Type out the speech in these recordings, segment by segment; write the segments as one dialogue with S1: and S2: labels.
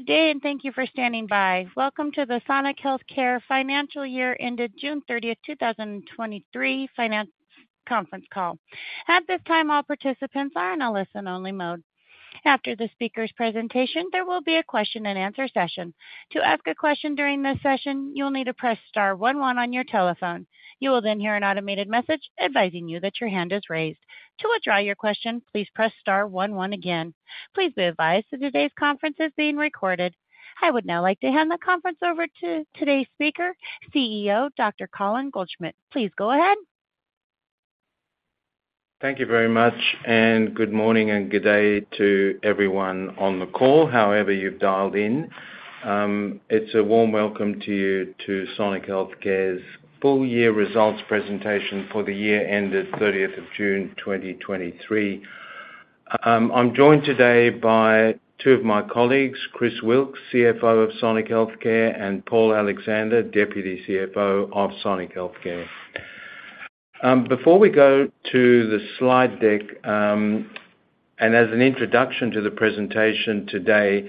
S1: Good day. Thank you for standing by. Welcome to the Sonic Healthcare Financial Year, ended June 30th, 2023, finance conference call. At this time, all participants are in a listen-only mode. After the speaker's presentation, there will be a question-and-answer session. To ask a question during this session, you'll need to press star one one on your telephone. You will hear an automated message advising you that your hand is raised. To withdraw your question, please press star one one again. Please be advised that today's conference is being recorded. I would now like to hand the conference over to today's speaker, CEO, Dr. Colin Goldschmidt. Please go ahead.
S2: Thank you very much, good morning and good day to everyone on the call, however you've dialed in. It's a warm welcome to you to Sonic Healthcare's full year results presentation for the year ended thirtieth of June 2023. I'm joined today by two of my colleagues, Chris Wilks, CFO of Sonic Healthcare; and Paul Alexander, Deputy CFO of Sonic Healthcare. Before we go to the slide deck, and as an introduction to the presentation today,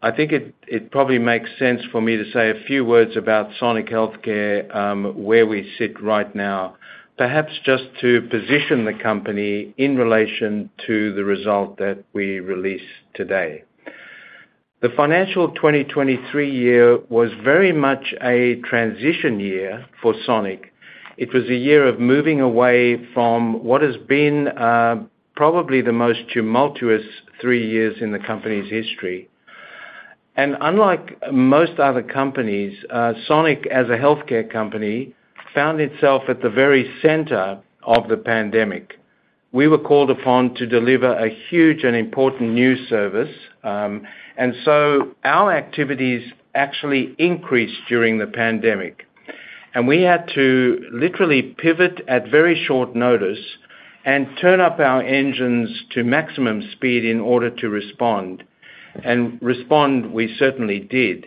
S2: I think it, it probably makes sense for me to say a few words about Sonic Healthcare, where we sit right now. Perhaps just to position the company in relation to the result that we released today. The financial 2023 year was very much a transition year for Sonic. It was a year of moving away from what has been, probably the most tumultuous three years in the company's history. Unlike most other companies, Sonic, as a healthcare company, found itself at the very center of the pandemic. We were called upon to deliver a huge and important new service, and so our activities actually increased during the pandemic. We had to literally pivot at very short notice and turn up our engines to maximum speed in order to respond. Respond, we certainly did.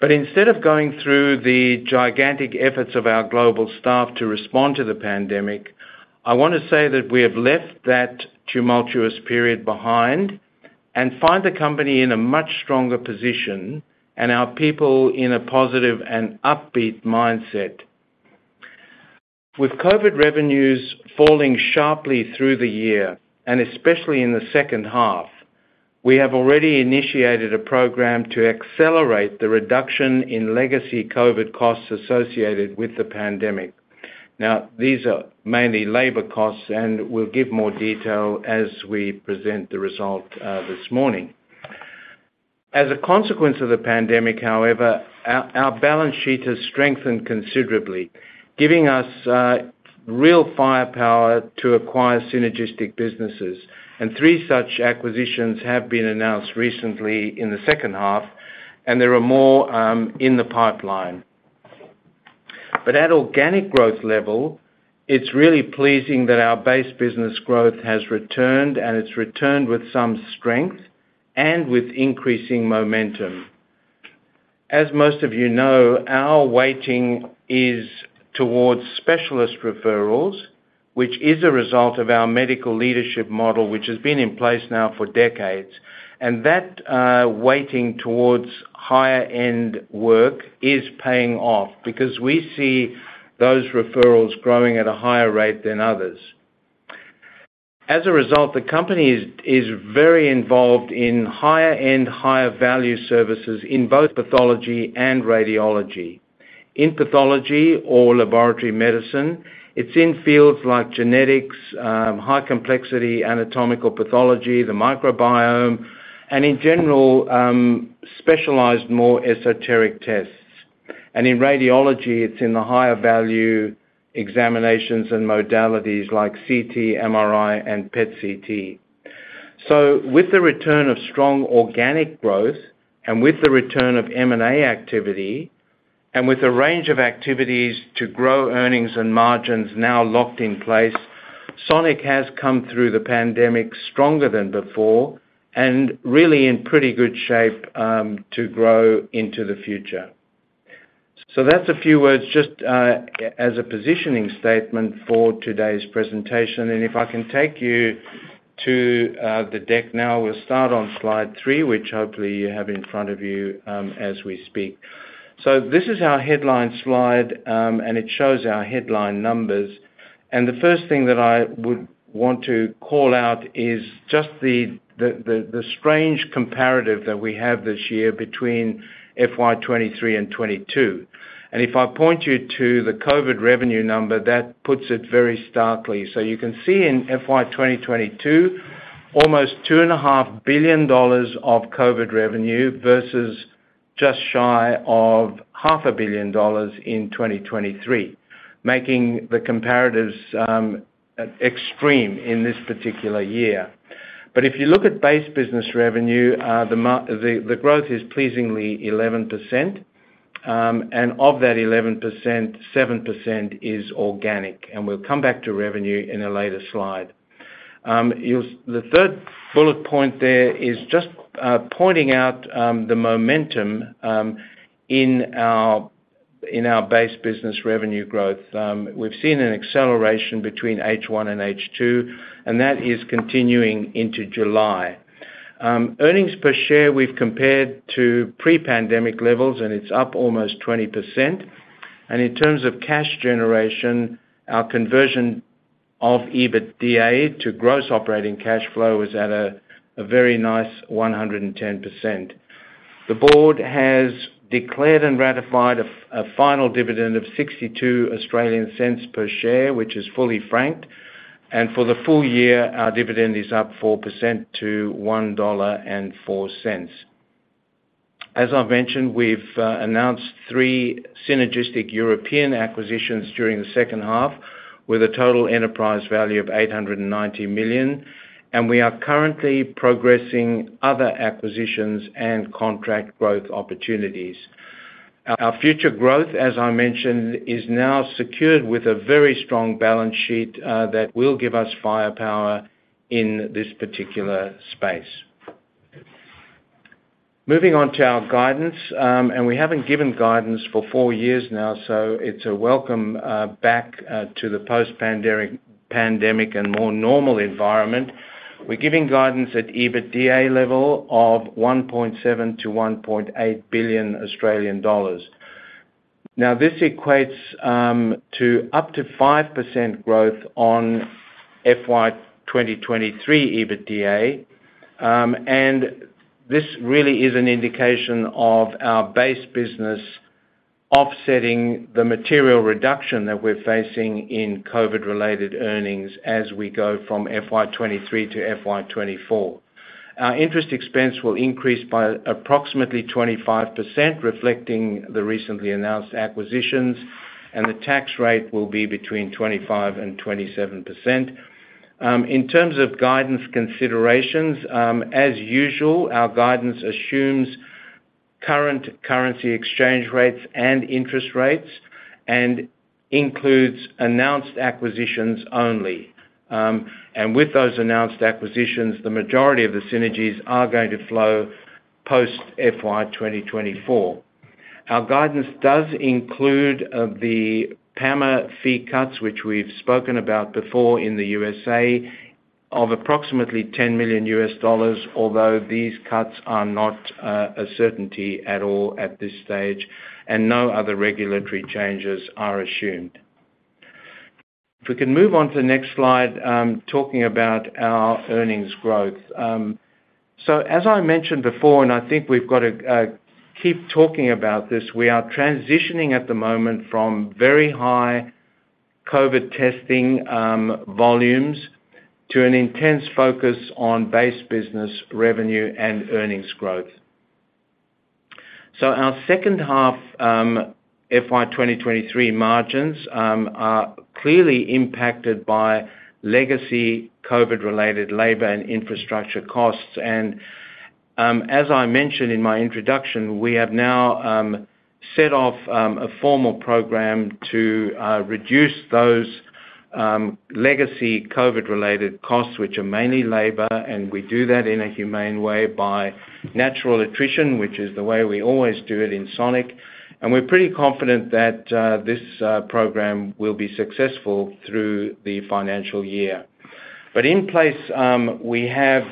S2: Instead of going through the gigantic efforts of our global staff to respond to the pandemic, I want to say that we have left that tumultuous period behind and find the company in a much stronger position and our people in a positive and upbeat mindset. With COVID revenues falling sharply through the year, and especially in the second half, we have already initiated a program to accelerate the reduction in legacy COVID costs associated with the pandemic. These are mainly labor costs, and we'll give more detail as we present the result this morning. As a consequence of the pandemic, however, our, our balance sheet has strengthened considerably, giving us real firepower to acquire synergistic businesses, and three such acquisitions have been announced recently in the second half, and there are more in the pipeline. At organic growth level, it's really pleasing that our base business growth has returned, and it's returned with some strength and with increasing momentum. As most of you know, our weighting is towards specialist referrals, which is a result of our medical leadership model, which has been in place now for decades. That weighting towards higher-end work is paying off because we see those referrals growing at a higher rate than others. As a result, the company is very involved in higher-end, higher-value services in both pathology and radiology. In pathology or laboratory medicine, it's in fields like genetics, high complexity, anatomical pathology, the microbiome, and in general, specialized, more esoteric tests. In radiology, it's in the higher-value examinations and modalities like CT, MRI, and PET/CT. With the return of strong organic growth and with the return of M&A activity, and with a range of activities to grow earnings and margins now locked in place, Sonic has come through the pandemic stronger than before and really in pretty good shape to grow into the future. That's a few words, just as a positioning statement for today's presentation. If I can take you to the deck now. We'll start on slide three, which hopefully you have in front of you as we speak. This is our headline slide, and it shows our headline numbers. The first thing that I would want to call out is just the strange comparative that we have this year between FY 2023 and 2022. If I point you to the COVID revenue number, that puts it very starkly. You can see in FY 2022, almost 2.5 billion dollars of COVID revenue versus just shy of 500 million dollars in 2023, making the comparatives extreme in this particular year. If you look at base business revenue, the growth is pleasingly 11%, and of that 11%, 7% is organic, and we'll come back to revenue in a later slide. The third bullet point there is just pointing out the momentum in our base business revenue growth. We've seen an acceleration between H1 and H2, and that is continuing into July. Earnings per share, we've compared to pre-pandemic levels, and it's up almost 20%. In terms of cash generation, our conversion of EBITDA to gross operating cash flow is at a very nice 110%. The board has declared and ratified a final dividend of 0.62 per share, which is fully franked. For the full year, our dividend is up 4% to 1.04 dollar. As I've mentioned, we've announced three synergistic European acquisitions during the second half, with a total enterprise value of 890 million, and we are currently progressing other acquisitions and contract growth opportunities. Our future growth, as I mentioned, is now secured with a very strong balance sheet that will give us firepower in this particular space. Moving on to our guidance, we haven't given guidance for four years now, so it's a welcome back to the post-pandemic and more normal environment. We're giving guidance at EBITDA level of 1.7 billion-1.8 billion Australian dollars. Now, this equates to up to 5% growth on FY 2023 EBITDA, and this really is an indication of our base business offsetting the material reduction that we're facing in COVID-related earnings as we go from FY 2023 to FY 2024. Our interest expense will increase by approximately 25%, reflecting the recently announced acquisitions, the tax rate will be between 25%-27%. In terms of guidance considerations, as usual, our guidance assumes current currency exchange rates and interest rates and includes announced acquisitions only. With those announced acquisitions, the majority of the synergies are going to flow post-FY 2024. Our guidance does include the PAMA fee cuts, which we've spoken about before in the USA, of approximately $10 million, although these cuts are not a certainty at all at this stage. No other regulatory changes are assumed. If we can move on to the next slide, talking about our earnings growth. As I mentioned before, and I think we've got to keep talking about this, we are transitioning at the moment from very high COVID testing volumes, to an intense focus on base business revenue and earnings growth. Our second half FY 2023 margins are clearly impacted by legacy COVID-related labor and infrastructure costs. As I mentioned in my introduction, we have now set off a formal program to reduce those legacy COVID-related costs, which are mainly labor, and we do that in a humane way by natural attrition, which is the way we always do it in Sonic. We're pretty confident that this program will be successful through the financial year. In place, we have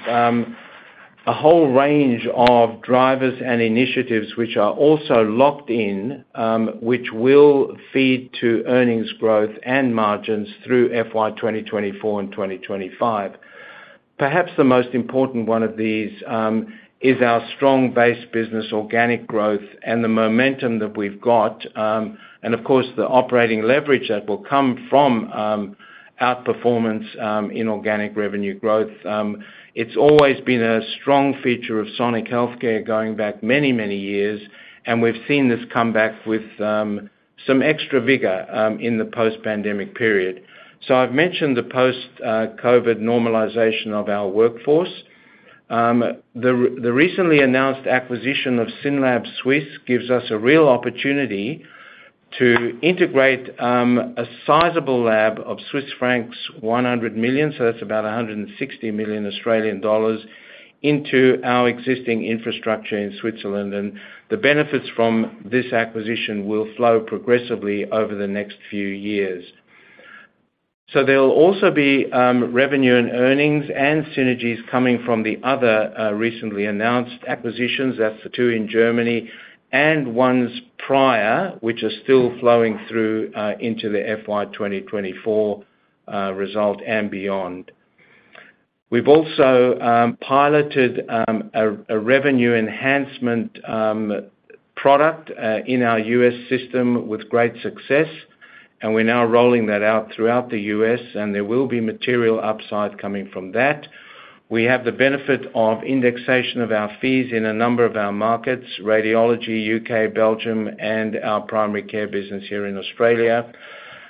S2: a whole range of drivers and initiatives which are also locked in, which will feed to earnings growth and margins through FY 2024 and 2025. Perhaps the most important one of these is our strong base business organic growth and the momentum that we've got, and of course, the operating leverage that will come from outperformance in organic revenue growth. It's always been a strong feature of Sonic Healthcare going back many, many years, and we've seen this come back with some extra vigor in the post-pandemic period. I've mentioned the post-COVID normalization of our workforce. The recently announced acquisition of SYNLAB Suisse gives us a real opportunity to integrate a sizable lab of Swiss francs 100 million, so that's about 160 million Australian dollars, into our existing infrastructure in Switzerland. The benefits from this acquisition will flow progressively over the next few years. There'll also be revenue and earnings and synergies coming from the other recently announced acquisitions. That's the two in Germany and ones prior, which are still flowing through into the FY 2024 result and beyond. We've also piloted a revenue enhancement product in our U.S. system with great success, and we're now rolling that out throughout the U.S., and there will be material upside coming from that. We have the benefit of indexation of our fees in a number of our markets: Radiology, U.K., Belgium, and our primary care business here in Australia.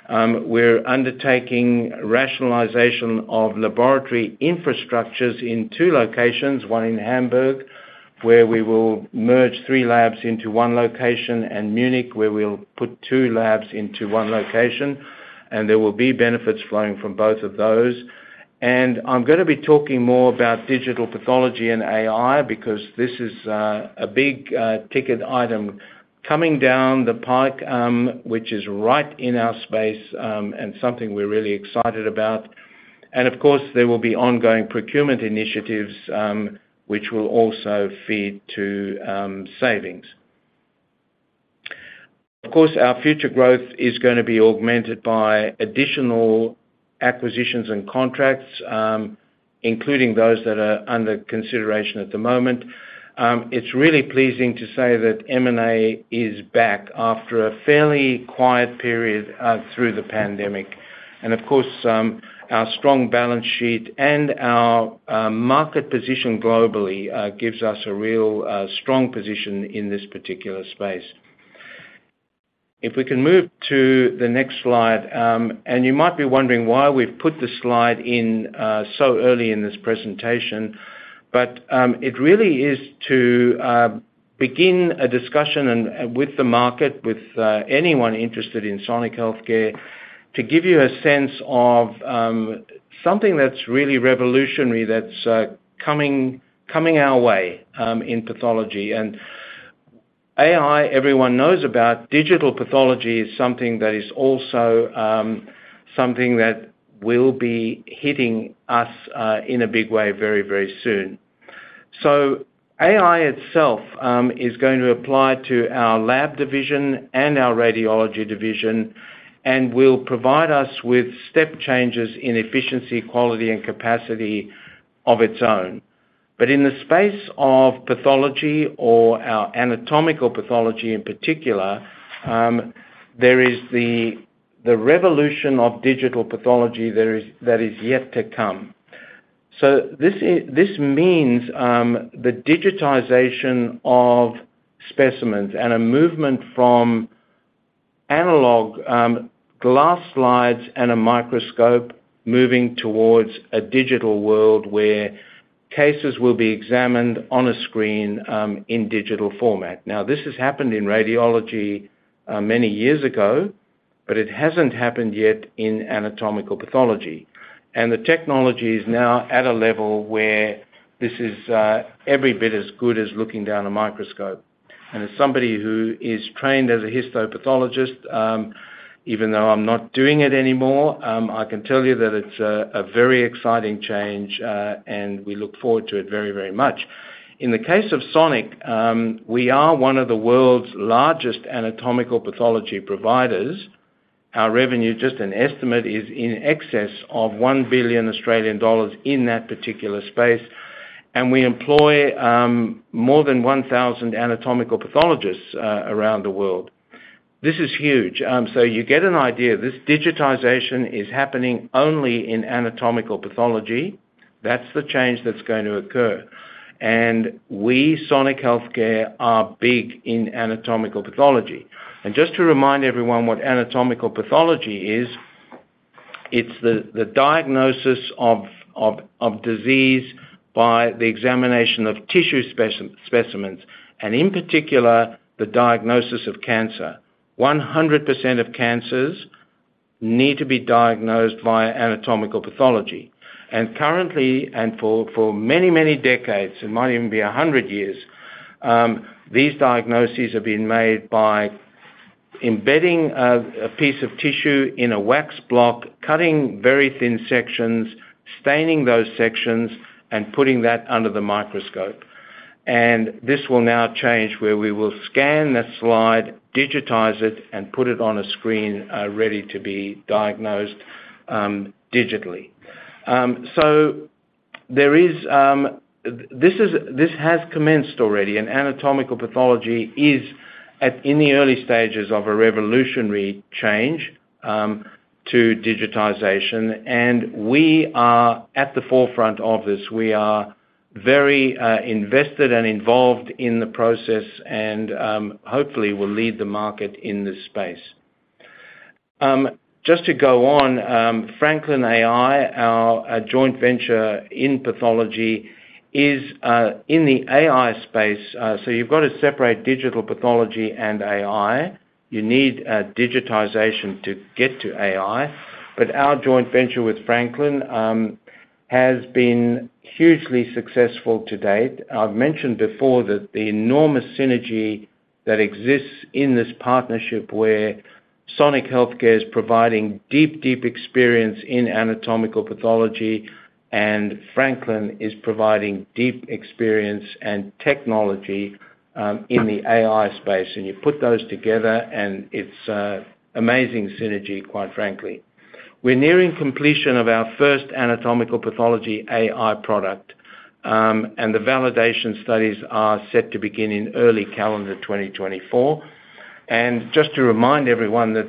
S2: We're undertaking rationalization of laboratory infrastructures in two locations, one in Hamburg, where we will merge three labs into one location, and Munich, where we'll put two labs into one location, and there will be benefits flowing from both of those. I'm gonna be talking more about digital pathology and AI, because this is a big ticket item coming down the pike, which is right in our space, and something we're really excited about. Of course, there will be ongoing procurement initiatives, which will also feed to savings. Of course, our future growth is gonna be augmented by additional acquisitions and contracts, including those that are under consideration at the moment. It's really pleasing to say that M&A is back after a fairly quiet period through the pandemic. Of course, our strong balance sheet and our market position globally gives us a real strong position in this particular space. If we can move to the next slide, and you might be wondering why we've put this slide in so early in this presentation, it really is to begin a discussion and, with the market, with anyone interested in Sonic Healthcare, to give you a sense of something that's really revolutionary that's coming, coming our way in pathology. AI, everyone knows about. Digital pathology is something that is also, something that will be hitting us in a big way very, very soon. AI itself, is going to apply to our lab division and our radiology division, and will provide us with step changes in efficiency, quality, and capacity of its own. In the space of pathology or our anatomical pathology in particular, there is the revolution of digital pathology that is yet to come. This means, the digitization of specimens and a movement from analog, glass slides and a microscope moving towards a digital world, where cases will be examined on a screen, in digital format. Now, this has happened in radiology, many years ago, but it hasn't happened yet in anatomical pathology. The technology is now at a level where this is, every bit as good as looking down a microscope. As somebody who is trained as a histopathologist, even though I'm not doing it anymore, I can tell you that it's a very exciting change, and we look forward to it very, very much. In the case of Sonic, we are one of the world's largest anatomical pathology providers. Our revenue, just an estimate, is in excess of 1 billion Australian dollars in that particular space, and we employ more than 1,000 anatomical pathologists around the world. This is huge. So you get an idea, this digitization is happening only in anatomical pathology. That's the change that's going to occur. We, Sonic Healthcare, are big in anatomical pathology. Just to remind everyone what anatomical pathology is, it's the diagnosis of disease by the examination of tissue specimens, and in particular, the diagnosis of cancer. 100% of cancers need to be diagnosed via anatomical pathology. Currently, and for, for many, many decades, it might even be 100 years, these diagnoses have been made by embedding a, a piece of tissue in a wax block, cutting very thin sections, staining those sections, and putting that under the microscope. This will now change, where we will scan the slide, digitize it, and put it on a screen, ready to be diagnosed digitally. This is, this has commenced already, and anatomical pathology is at, in the early stages of a revolutionary change, to digitization, and we are at the forefront of this. We are very, invested and involved in the process and, hopefully will lead the market in this space. Just to go on, Franklin.ai, our, our joint venture in pathology, is in the AI space. You've got to separate digital pathology and AI. You need digitization to get to AI. Our joint venture with Franklin has been hugely successful to date. I've mentioned before that the enormous synergy that exists in this partnership, where Sonic Healthcare is providing deep, deep experience in anatomical pathology, and Franklin is providing deep experience and technology in the AI space. You put those together, and it's amazing synergy, quite frankly. We're nearing completion of our first anatomical pathology AI product, and the validation studies are set to begin in early calendar 2024. Just to remind everyone that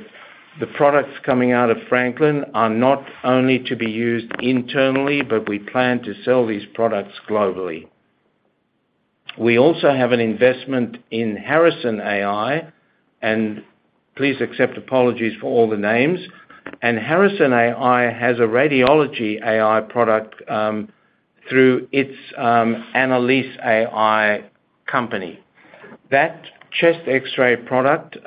S2: the products coming out of Franklin are not only to be used internally, but we plan to sell these products globally. We also have an investment in Harrison AI, and please accept apologies for all the names. Harrison.ai has a radiology AI product through its Harrison.ai Radiology company. That chest X-ray product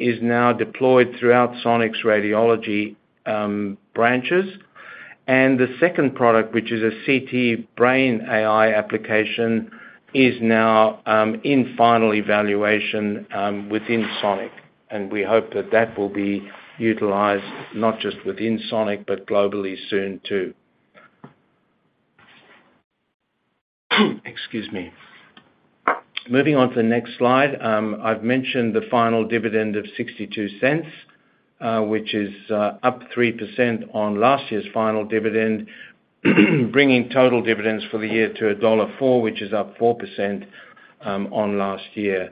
S2: is now deployed throughout Sonic's radiology branches. The second product, which is a CT brain AI application, is now in final evaluation within Sonic, and we hope that that will be utilized not just within Sonic, but globally soon, too. Excuse me. Moving on to the next slide, I've mentioned the final dividend of 0.62, which is up 3% on last year's final dividend, bringing total dividends for the year to dollar 1.04, which is up 4% on last year.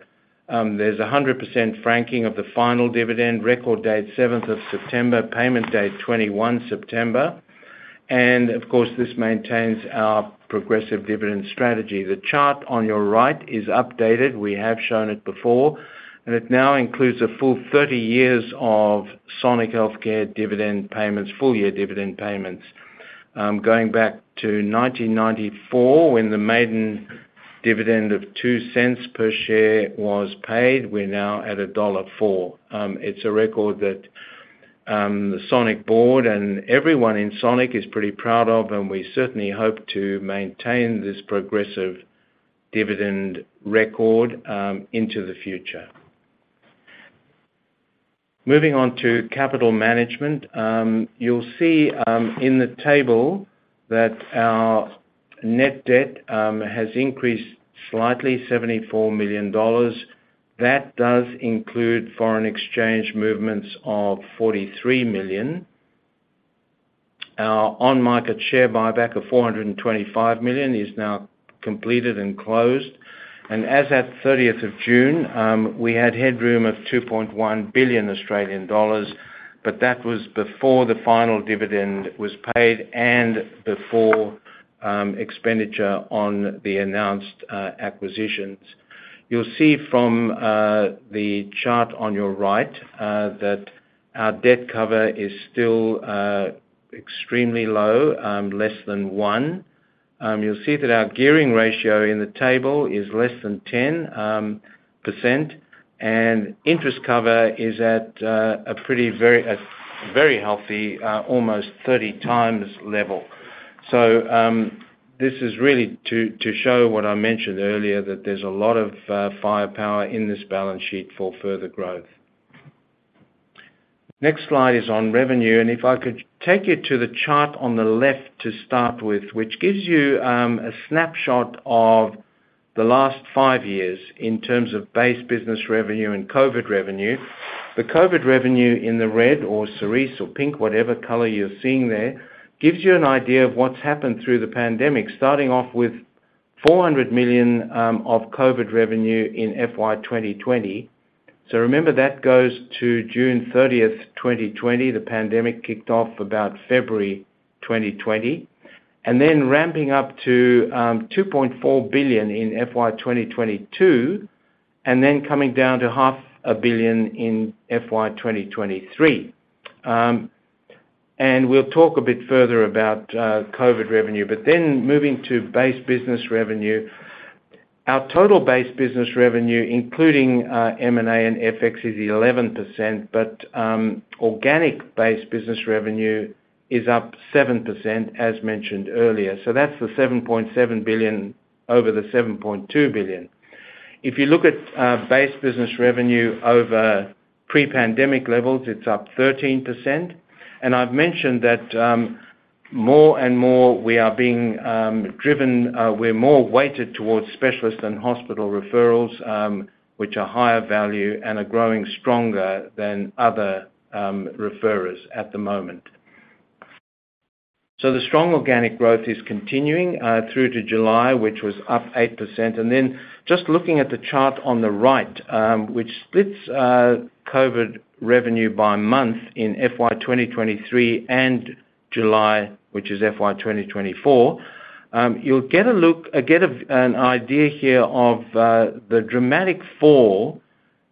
S2: There's a 100% franking of the final dividend, record date, 7th of September, payment date, September 21. Of course, this maintains our progressive dividend strategy. The chart on your right is updated. We have shown it before, it now includes a full 30 years of Sonic Healthcare dividend payments, full year dividend payments. Going back to 1994, when the maiden dividend of 0.02 per share was paid, we're now at dollar 1.04. It's a record that the Sonic board and everyone in Sonic is pretty proud of, and we certainly hope to maintain this progressive dividend record into the future. Moving on to capital management, you'll see in the table that our net debt has increased slightly, 74 million dollars. That does include foreign exchange movements of 43 million. Our on-market share buyback of 425 million is now completed and closed. As at June 30th, we had headroom of 2.1 billion Australian dollars, but that was before the final dividend was paid and before expenditure on the announced acquisitions. You'll see from the chart on your right that our debt cover is still extremely low, less than one. You'll see that our gearing ratio in the table is less than 10%, and interest cover is at a pretty, very, a very healthy, almost 30x level. This is really to, to show what I mentioned earlier, that there's a lot of firepower in this balance sheet for further growth. Next slide is on revenue, and if I could take you to the chart on the left to start with, which gives you, a snapshot of the last five years in terms of base business revenue and COVID revenue. The COVID revenue in the red or cerise or pink, whatever color you're seeing there, gives you an idea of what's happened through the pandemic, starting off with 400 million of COVID revenue in FY 2020. Remember, that goes to June 30th, 2020. The pandemic kicked off about February 2020, and then ramping up to 2.4 billion in FY 2022, and then coming down to 0.5 billion in FY 2023. We'll talk a bit further about COVID revenue, but then moving to base business revenue. Our total base business revenue, including M&A and FX, is 11%, but organic base business revenue is up 7%, as mentioned earlier. That's the 7.7 billion over the 7.2 billion. If you look at base business revenue over pre-pandemic levels, it's up 13%. I've mentioned that more and more, we are being, we're more weighted towards specialists and hospital referrals, which are higher value and are growing stronger than other referrers at the moment. The strong organic growth is continuing through to July, which was up 8%. Just looking at the chart on the right, which splits COVID revenue by month in FY 2023 and July, which is FY 2024, you'll get an idea here of the dramatic fall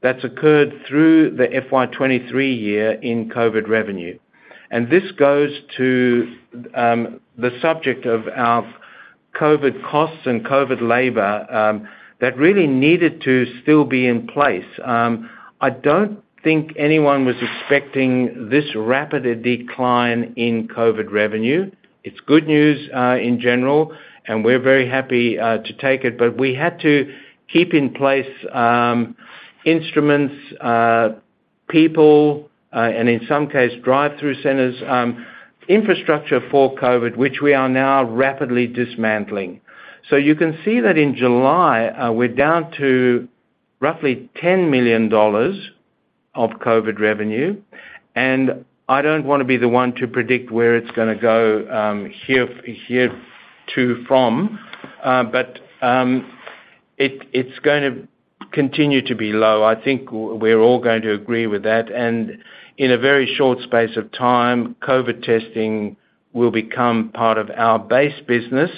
S2: that's occurred through the FY 2023 year in COVID revenue. This goes to the subject of our COVID costs and COVID labor that really needed to still be in place. I don't think anyone was expecting this rapid a decline in COVID revenue. It's good news in general, and we're very happy to take it, but we had to keep in place instruments, people, and in some case, drive-through centers, infrastructure for COVID, which we are now rapidly dismantling. You can see that in July, we're down to roughly $10 million of COVID revenue, and I don't wanna be the one to predict where it's gonna go, but it's gonna continue to be low. I think we're all going to agree with that, and in a very short space of time, COVID testing will become part of our base business,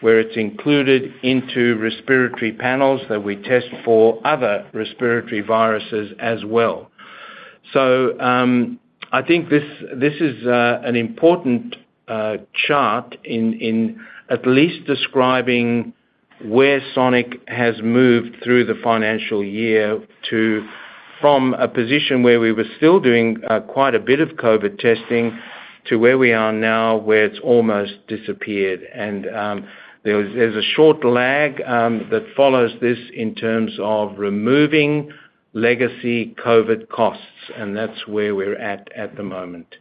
S2: where it's included into respiratory panels that we test for other respiratory viruses as well. I think this, this is an important chart in at least describing where Sonic has moved through the financial year to, from a position where we were still doing quite a bit of COVID testing, to where we are now, where it's almost disappeared. There's a short lag that follows this in terms of removing legacy COVID costs, and that's where we're at at the moment.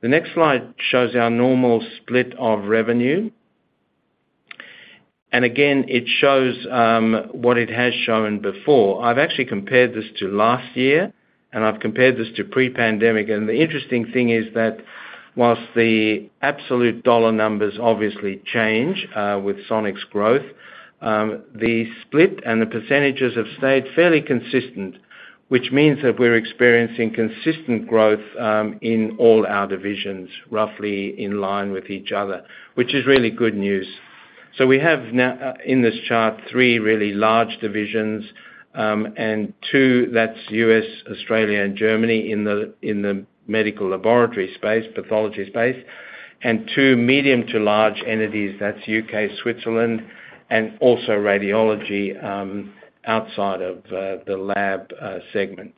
S2: The next slide shows our normal split of revenue. Again, it shows what it has shown before. I've actually compared this to last year, and I've compared this to pre-pandemic, and the interesting thing is that whilst the absolute dollar numbers obviously change with Sonic's growth, the split and the percentage have stayed fairly consistent, which means that we're experiencing consistent growth in all our divisions, roughly in line with each other, which is really good news. We have now in this chart, three really large divisions, and two, that's U.S., Australia, and Germany, in the medical laboratory space, pathology space, and two medium to large entities, that's U.K., Switzerland, and also radiology, outside of the lab segment.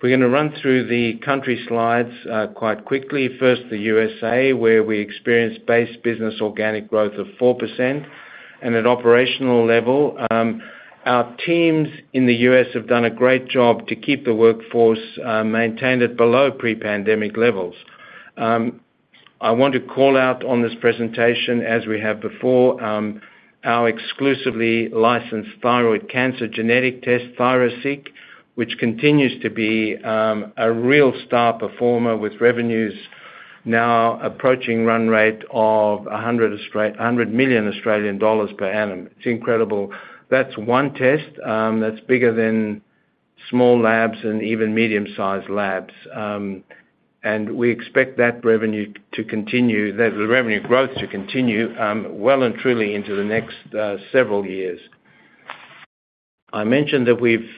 S2: We're gonna run through the country slides quite quickly. First, the USA., where we experienced base business organic growth of 4%. At an operational level, our teams in the U.S. have done a great job to keep the workforce maintained at below pre-pandemic levels. I want to call out on this presentation, as we have before, our exclusively licensed thyroid cancer genetic test, ThyroSeq, which continues to be a real star performer with revenues now approaching run rate of 100 million Australian dollars per annum. It's incredible. That's one test, that's bigger than small labs and even medium-sized labs. We expect that revenue to continue. The revenue growth to continue, well and truly into the next several years. I mentioned that we've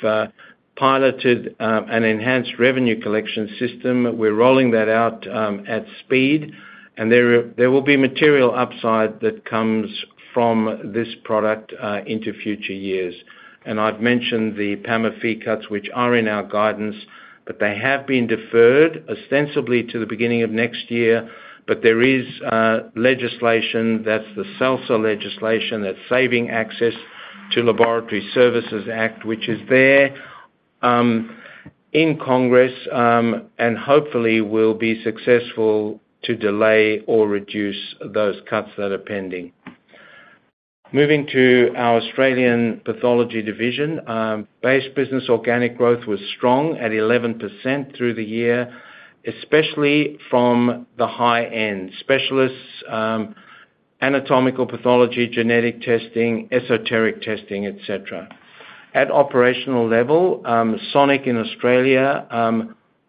S2: piloted an enhanced revenue collection system. We're rolling that out at speed, and there, there will be material upside that comes from this product into future years. I've mentioned the PAMA fee cuts, which are in our guidance, but they have been deferred, ostensibly to the beginning of next year. There is legislation, that's the SALSA legislation, that's Saving Access to Laboratory Services Act, which is there in Congress, and hopefully will be successful to delay or reduce those cuts that are pending. Moving to our Australian pathology division, base business organic growth was strong at 11% through the year, especially from the high end. Specialists, anatomical pathology, genetic testing, esoteric testing, et cetera. At operational level, Sonic in Australia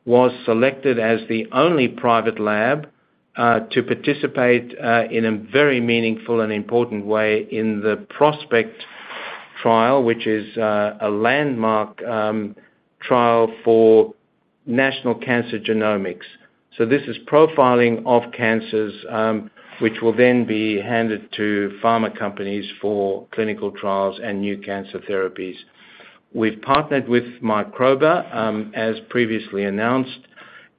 S2: was selected as the only private lab to participate in a very meaningful and important way in the PrOSPeCT trial, which is a landmark trial for national cancer genomics. This is profiling of cancers, which will then be handed to pharma companies for clinical trials and new cancer therapies. We've partnered with Microba as previously announced,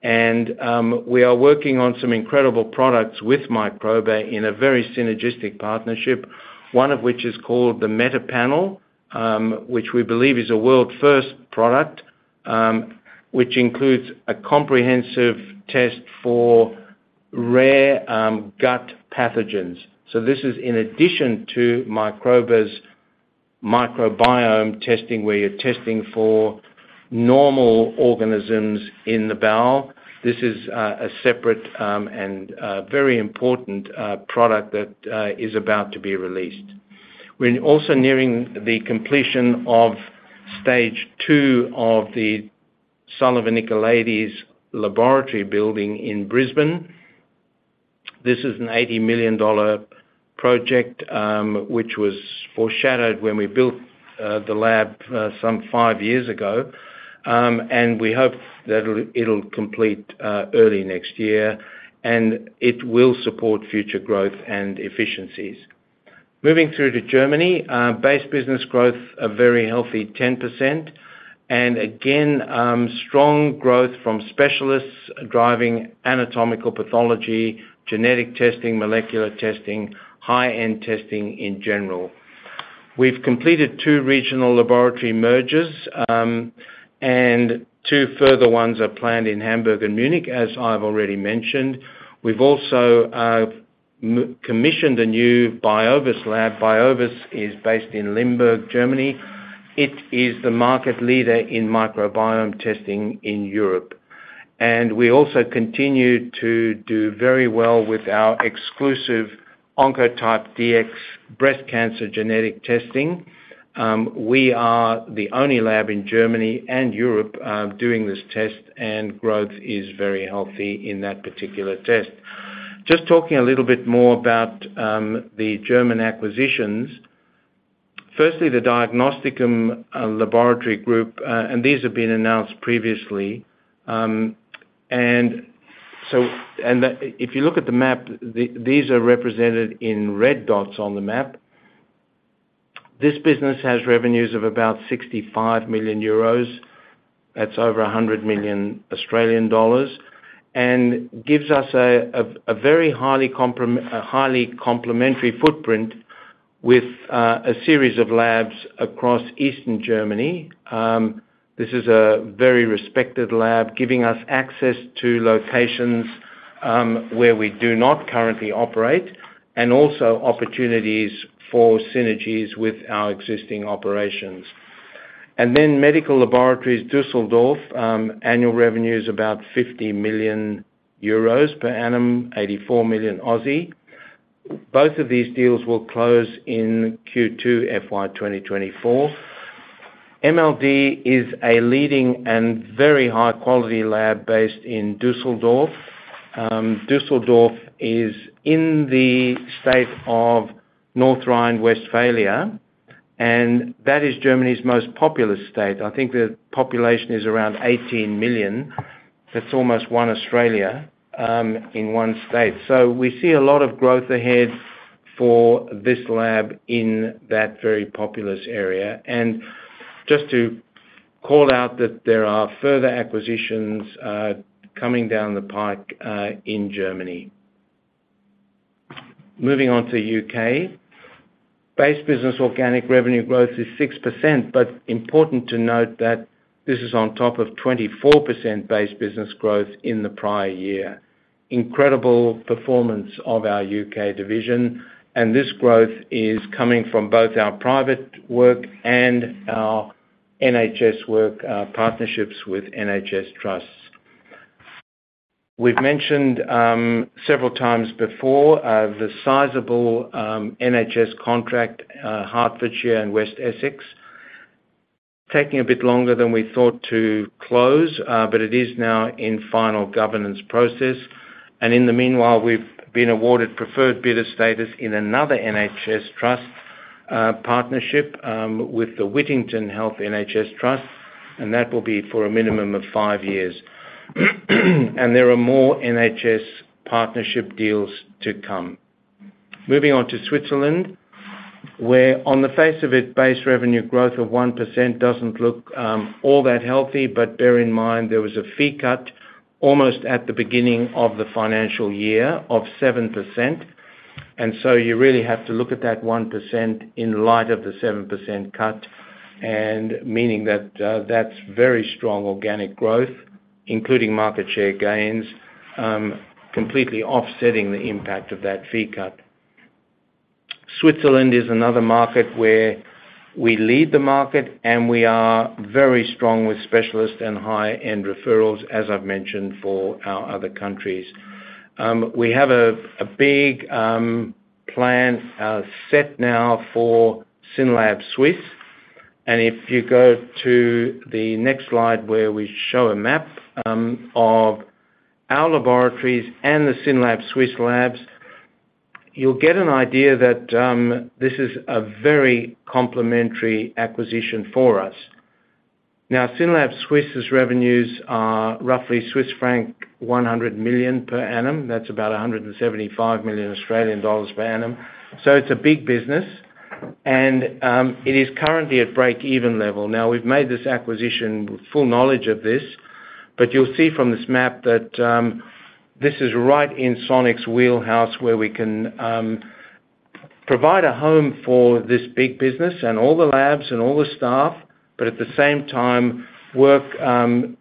S2: and we are working on some incredible products with Microba in a very synergistic partnership, one of which is called the MetaPanel, which we believe is a world-first product, which includes a comprehensive test for rare gut pathogens. This is in addition to Microba's microbiome testing, where you're testing for normal organisms in the bowel. This is a separate, and very important, product that is about to be released. We're also nearing the completion of stage two of the Sullivan Nicolaides Laboratory building in Brisbane. This is an 80 million dollar project, which was foreshadowed when we built the lab five years ago. We hope that it'll, it'll complete early next year, and it will support future growth and efficiencies. Moving through to Germany, base business growth, a very healthy 10%. Again, strong growth from specialists driving anatomical pathology, genetic testing, molecular testing, high-end testing in general. We've completed two regional laboratory mergers, and two further ones are planned in Hamburg and Munich, as I've already mentioned. We've also commissioned a new Biovis lab. Biovis is based in Limburg, Germany. It is the market leader in microbiome testing in Europe. We also continue to do very well with our exclusive Oncotype DX breast cancer genetic testing. We are the only lab in Germany and Europe doing this test, and growth is very healthy in that particular test. Just talking a little bit more about the German acquisitions. Firstly, the Diagnosticum laboratory group, these have been announced previously. If you look at the map, these are represented in red dots on the map. This business has revenues of about 65 million euros. That's over 100 million Australian dollars, gives us a highly complimentary footprint with a series of labs across Eastern Germany. This is a very respected lab, giving us access to locations where we do not currently operate, also opportunities for synergies with our existing operations. Medical Laboratories Düsseldorf annual revenue is about 50 million euros per annum, 84 million. Both of these deals will close in Q2 FY 2024. MLD is a leading and very high-quality lab based in Düsseldorf. Düsseldorf is in the state of North Rhine-Westphalia. That is Germany's most populous state. I think the population is around 18 million. That's almost one Australia in one state. We see a lot of growth ahead for this lab in that very populous area. Just to call out that there are further acquisitions coming down the pike in Germany. Moving on to U.K. Base business organic revenue growth is 6%. Important to note that this is on top of 24% base business growth in the prior year. Incredible performance of our U.K. division. This growth is coming from both our private work and our NHS work, partnerships with NHS Trusts. We've mentioned several times before, the sizable NHS contract, Hertfordshire and West Essex, taking a bit longer than we thought to close, but it is now in final governance process. In the meanwhile, we've been awarded preferred bidder status in another NHS Trust, partnership, with the Whittington Health NHS Trust, that will be for a minimum of five years. There are more NHS partnership deals to come. Moving on to Switzerland, where on the face of it, base revenue growth of 1% doesn't look all that healthy. Bear in mind, there was a fee cut almost at the beginning of the financial year of 7%. So you really have to look at that 1% in light of the 7% cut, meaning that that's very strong organic growth, including market share gains, completely offsetting the impact of that fee cut. Switzerland is another market where we lead the market. We are very strong with specialist and high-end referrals, as I've mentioned, for our other countries. We have a big plan set now for SYNLAB Suisse. If you go to the next slide, where we show a map, of our laboratories and the SYNLAB Suisse labs, you'll get an idea that, this is a very complementary acquisition for us. SYNLAB Suisse's revenues are roughly Swiss franc 100 million per annum. That's about 175 million Australian dollars per annum. It's a big business, and, it is currently at break-even level. We've made this acquisition with full knowledge of this, but you'll see from this map that, this is right in Sonic's wheelhouse, where we can, provide a home for this big business and all the labs and all the staff, but at the same time, work,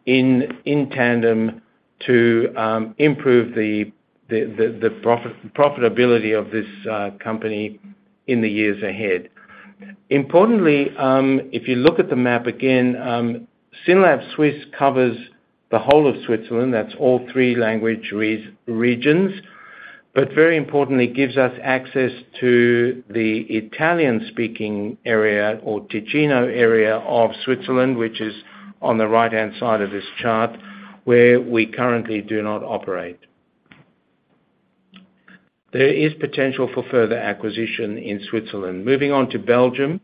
S2: in, in tandem to, improve the, the, the, the profit- profitability of this, company in the years ahead. Importantly, if you look at the map again, SYNLAB Suisse covers the whole of Switzerland. That's all three language regions, but very importantly, gives us access to the Italian-speaking area or Ticino area of Switzerland, which is on the right-hand side of this chart, where we currently do not operate. There is potential for further acquisition in Switzerland. Moving on to Belgium,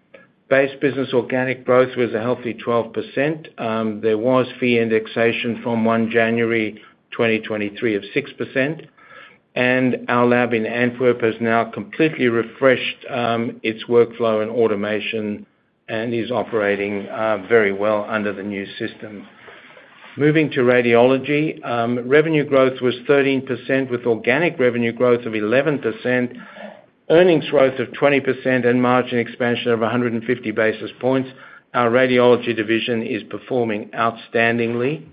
S2: base business organic growth was a healthy 12%. There was fee indexation from January 1, 2023, of 6%, and our lab in Antwerp has now completely refreshed its workflow and automation and is operating very well under the new system. Moving to radiology, revenue growth was 13%, with organic revenue growth of 11%, earnings growth of 20%, and margin expansion of 150 basis points. Our radiology division is performing outstandingly.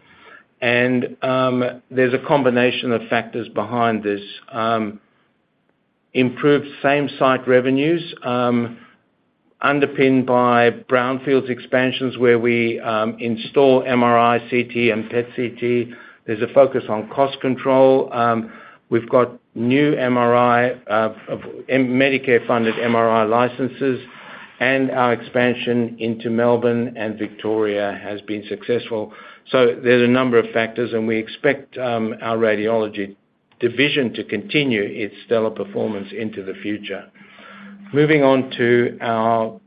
S2: There's a combination of factors behind this. Improved same-site revenues, underpinned by brownfields expansions, where we install MRI, CT, and PET/CT. There's a focus on cost control. We've got new Medicare-funded MRI licenses, and our expansion into Melbourne and Victoria has been successful. There's a number of factors, and we expect our radiology division to continue its stellar performance into the future. Moving on to our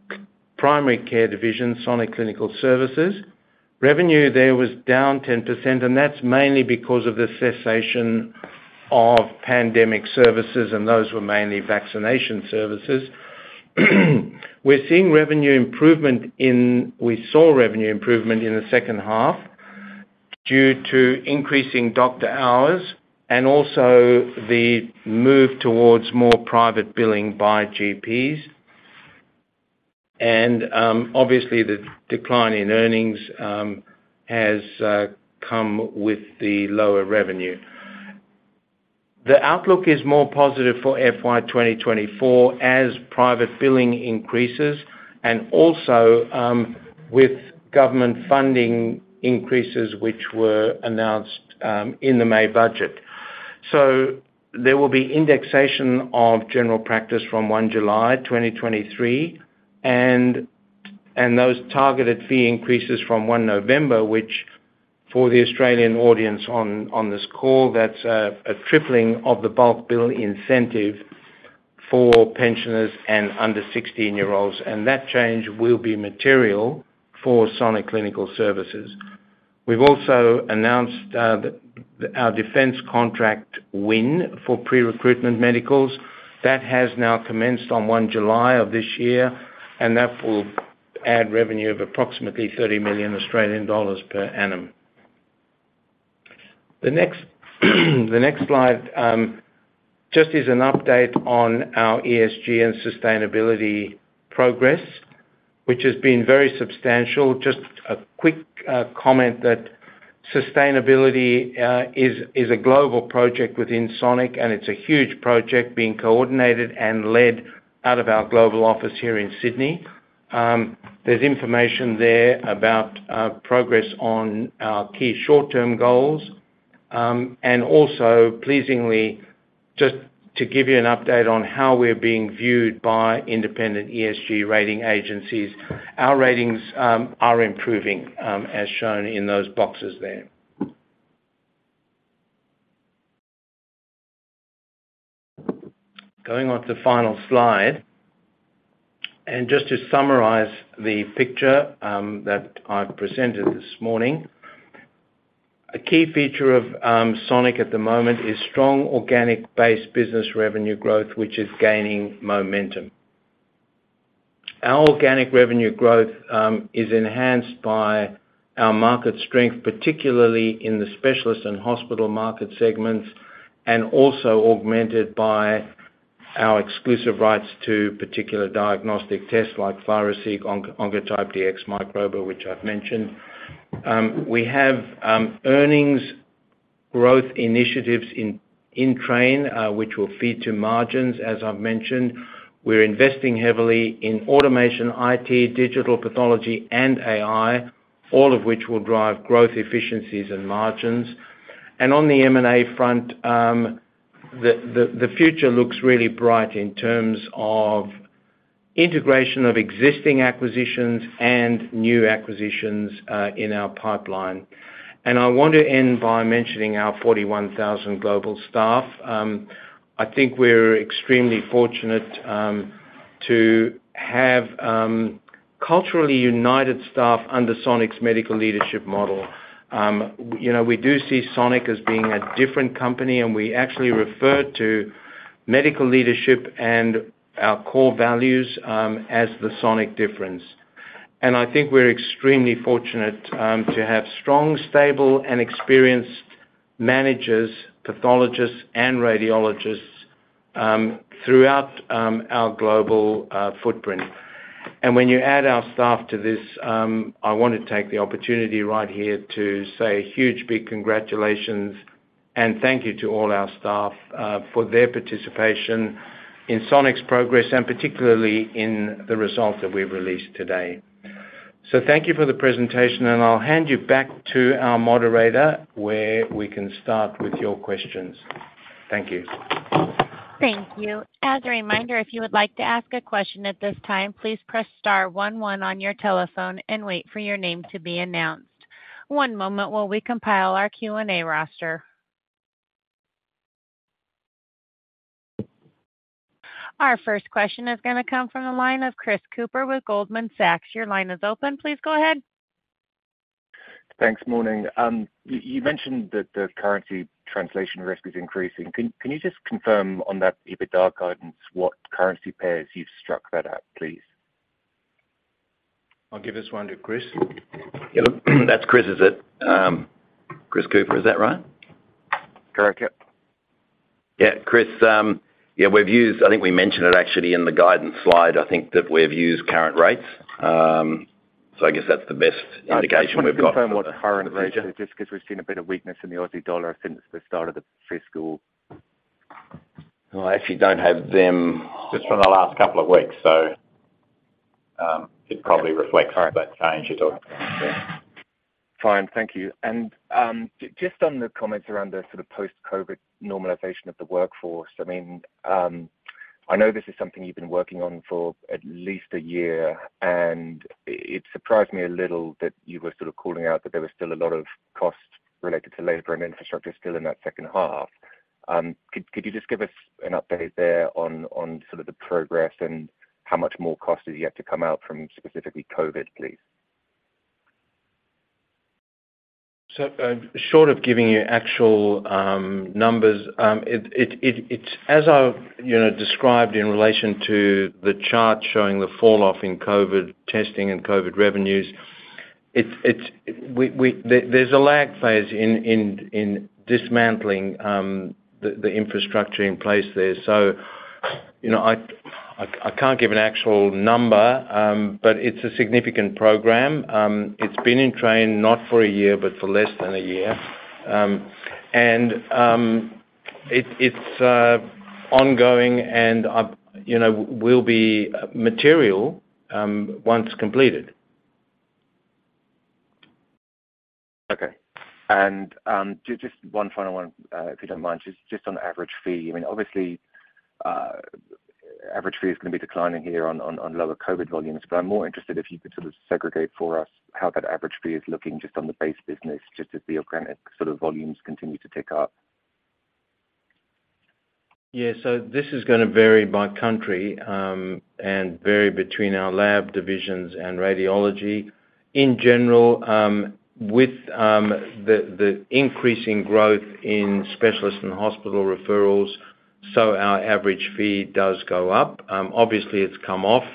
S2: primary care division, Sonic Clinical Services. Revenue there was down 10%, and that's mainly because of the cessation of pandemic services, and those were mainly vaccination services. We saw revenue improvement in the second half due to increasing doctor hours and also the move towards more private billing by GPs. Obviously, the decline in earnings has come with the lower revenue. The outlook is more positive for FY 2024 as private billing increases, and also, with government funding increases, which were announced in the May budget. There will be indexation of general practice from July 1, 2023, and those targeted fee increases from November 1, which for the Australian audience on this call, that's a tripling of the bulk bill incentive for pensioners and under 16 year olds. That change will be material for Sonic Clinical Services. We've also announced our defense contract win for pre-recruitment medicals. That has now commenced on July 1 of this year, and that will add revenue of approximately 30 million Australian dollars per annum. The next, the next slide, just is an update on our ESG and sustainability progress, which has been very substantial. Just a quick comment that sustainability is a global project within Sonic, it's a huge project being coordinated and led out of our global office here in Sydney. There's information there about progress on our key short-term goals. Also, pleasingly, just to give you an update on how we're being viewed by independent ESG rating agencies, our ratings are improving as shown in those boxes there. Going on to the final slide. Just to summarize the picture that I've presented this morning. A key feature of Sonic at the moment is strong organic-based business revenue growth, which is gaining momentum. Our organic revenue growth is enhanced by our market strength, particularly in the specialist and hospital market segments, and also augmented by our exclusive rights to particular diagnostic tests like ThyroSeq, Oncotype DX, Microba, which I've mentioned. We have earnings growth initiatives in train, which will feed to margins as I've mentioned. We're investing heavily in automation, IT, digital pathology, and AI, all of which will drive growth, efficiencies, and margins. On the M&A front, the future looks really bright in terms of integration of existing acquisitions and new acquisitions in our pipeline. I want to end by mentioning our 41,000 global staff. I think we're extremely fortunate to have culturally united staff under Sonic's Medical Leadership Model. You know, we do see Sonic as being a different company, we actually refer to medical leadership and our core values as the Sonic difference. I think we're extremely fortunate to have strong, stable, and experienced managers, pathologists, and radiologists throughout our global footprint. When you add our staff to this, I want to take the opportunity right here to say a huge, big congratulations, and thank you to all our staff for their participation in Sonic's progress, and particularly in the results that we've released today. Thank you for the presentation, and I'll hand you back to our moderator, where we can start with your questions. Thank you.
S1: Thank you. As a reminder, if you would like to ask a question at this time, please press star one one on your telephone and wait for your name to be announced. One moment while we compile our Q&A roster. Our first question is gonna come from the line of Chris Cooper with Goldman Sachs. Your line is open. Please go ahead.
S3: Thanks. Morning. You mentioned that the currency translation risk is increasing. Can you just confirm on that EBITDA guidance, what currency pairs you've struck that at, please?
S2: I'll give this one to Chris.
S4: Yeah, that's Chris, is it? Chris Cooper, is that right? Correct. Yep. Yeah, Chris, yeah, we've used, I think we mentioned it actually in the guidance slide. I think that we've used current rates. I guess that's the best indication we've got.
S3: I just want to confirm what current rates are, just 'cause we've seen a bit of weakness in the Aussie dollar since the start of the fiscal.
S4: Well, I actually don't have them just from the last couple of weeks, so, it probably reflects-
S3: All right.
S4: that change you're talking about. Fine. Thank you. Just on the comments around the sort of post-COVID normalization of the workforce, I mean, I know this is something you've been working on for at least a year, and it surprised me a little that you were sort of calling out that there was still a lot of costs related to labor and infrastructure still in that second half. Could, could you just give us an update there on, on sort of the progress and how much more cost is yet to come out from specifically COVID, please?
S2: Short of giving you actual numbers, it's as I've, you know, described in relation to the chart showing the falloff in COVID testing and COVID revenues, it's, we there's a lag phase in dismantling the infrastructure in place there. You know, I can't give an actual number, but it's a significant program. It's been in train not for a year, but for less than a year. It's ongoing and, you know, will be material once completed.
S3: Okay. Just one final one, if you don't mind. Just, just on average fee. I mean, obviously, average fee is gonna be declining here on lower COVID volumes, but I'm more interested if you could sort of segregate for us how that average fee is looking just on the base business, just as the organic sort of volumes continue to tick up?
S2: Yeah. This is gonna vary by country, and vary between our lab divisions and radiology. In general, with the increasing growth in specialists and hospital referrals, our average fee does go up. Obviously, it's come off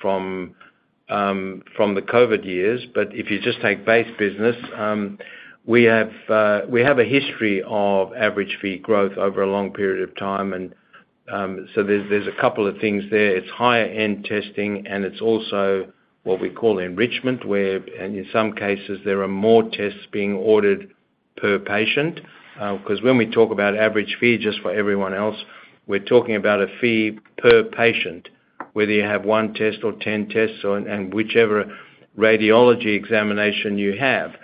S2: from from the COVID years. If you just take base business, we have a history of average fee growth over a long period of time, and there's a couple of things there. It's higher-end testing, and it's also what we call enrichment, where, and in some cases, there are more tests being ordered per patient. Because when we talk about average fee, just for everyone else, we're talking about a fee per patient, whether you have one test or 10 tests or, and whichever radiology examination you have.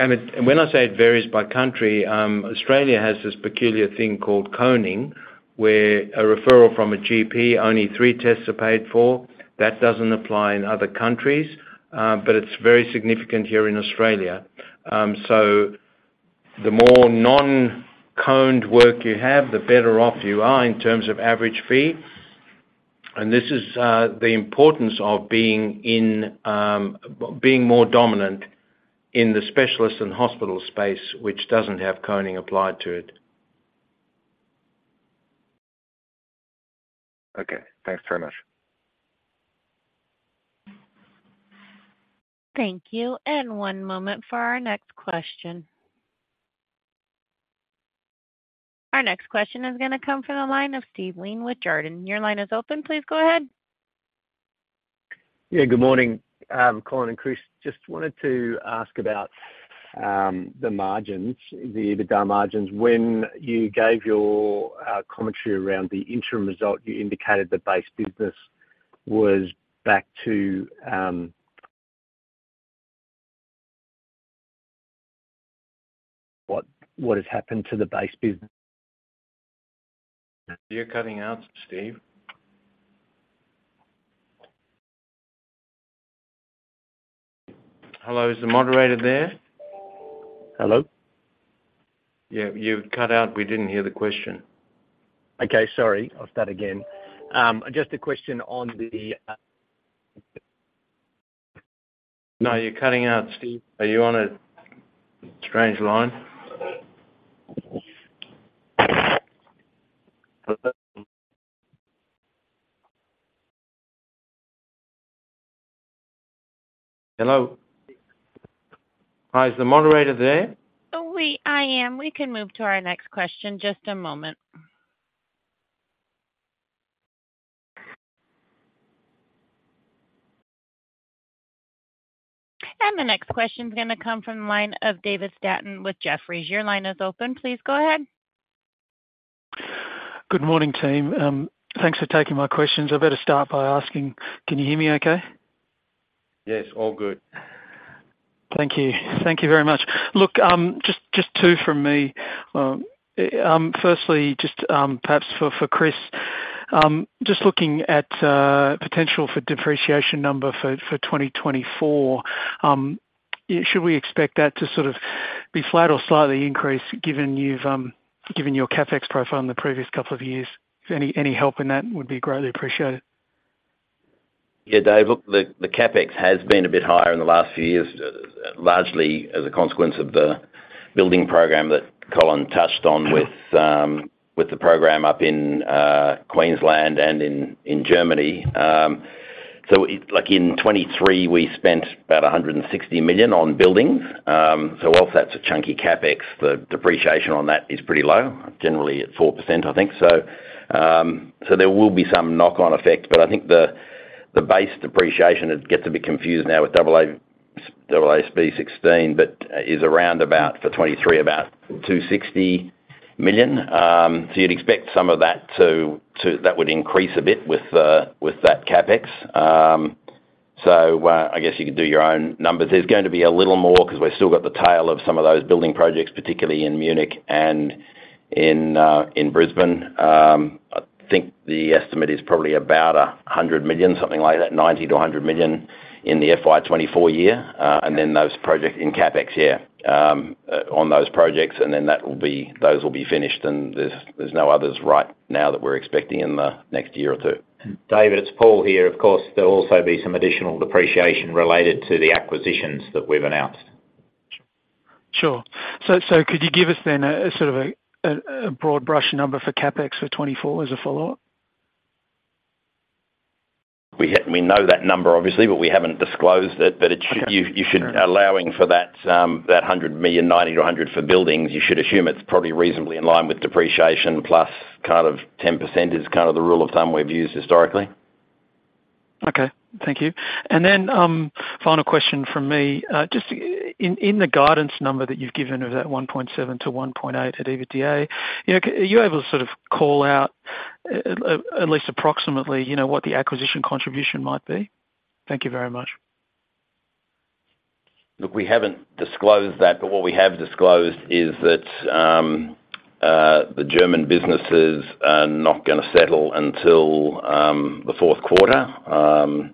S2: It-- when I say it varies by country, Australia has this peculiar thing called coning, where a referral from a GP, only three tests are paid for. That doesn't apply in other countries, but it's very significant here in Australia. The more non-coned work you have, the better off you are in terms of average fee. This is, the importance of being in, being more dominant in the specialist and hospital space, which doesn't have coning applied to it.
S3: Okay. Thanks very much.
S1: Thank you. One moment for our next question. Our next question is gonna come from the line of Steven Wheen with Jarden. Your line is open. Please go ahead.
S5: Yeah, good morning, Colin and Chris. Just wanted to ask about the margins, the DACH margins. When you gave your commentary around the interim result, you indicated the base business was back to. What, what has happened to the base business?
S2: You're cutting out, Steve. Hello, is the moderator there?
S5: Hello?
S2: Yeah, you cut out. We didn't hear the question.
S5: Okay, sorry. I'll start again. Just a question on the.
S2: No, you're cutting out, Steve. Are you on a strange line? Hello? Hi, is the moderator there?
S1: Oh, I am. We can move to our next question. Just a moment. The next question is gonna come from the line of David Stanton with Jefferies. Your line is open. Please go ahead.
S6: Good morning, team. Thanks for taking my questions. I better start by asking, can you hear me okay?
S2: Yes, all good.
S4: Thank you. Thank you very much. Look, just, just two from me. Firstly, just, perhaps for, for Chris. Just looking at, potential for depreciation number for 2024, should we expect that to sort of be flat or slightly increased, given you've, given your CapEx profile in the previous couple of years? Any, any help in that would be greatly appreciated. Dave, look, the CapEx has been a bit higher in the last few years, largely as a consequence of the building program that Colin touched on with the program up in Queensland and in Germany. It like in 2023, we spent about $160 million on buildings. Whilst that's a chunky CapEx, the depreciation on that is pretty low, generally at 4%, I think. There will be some knock-on effects, but I think the base depreciation, it gets a bit confused now with AASB 16, but is around about, for 2023, about $260 million. You'd expect some of that to increase a bit with that CapEx. I guess you could do your own numbers. There's going to be a little more because we've still got the tail of some of those building projects, particularly in Munich and in Brisbane. I think the estimate is probably about 100 million, something like that, 90 million-100 million in the FY 2024 year, and then those projects in CapEx year on those projects, and then that will be those will be finished, and there's, there's no others right now that we're expecting in the next year or two.
S7: David, it's Paul here. Of course, there'll also be some additional depreciation related to the acquisitions that we've announced.
S6: Sure. Could you give us then a sort of a broad brush number for CapEx for 2024 as a follow-up?
S7: We know that number, obviously, but we haven't disclosed it.
S6: Okay.
S4: It should, you, you should allowing for that, that 100 million, 90 million-100 million for buildings, you should assume it's probably reasonably in line with depreciation plus kind of 10% is kind of the rule of thumb we've used historically.
S6: Okay, thank you. Then, final question from me. Just in the guidance number that you've given of that 1.7 billion-1.8 billion at EBITDA, you know, are you able to sort of call out at least approximately, you know, what the acquisition contribution might be? Thank you very much.
S4: Look, we haven't disclosed that, but what we have disclosed is that, the German businesses are not gonna settle until the fourth quarter.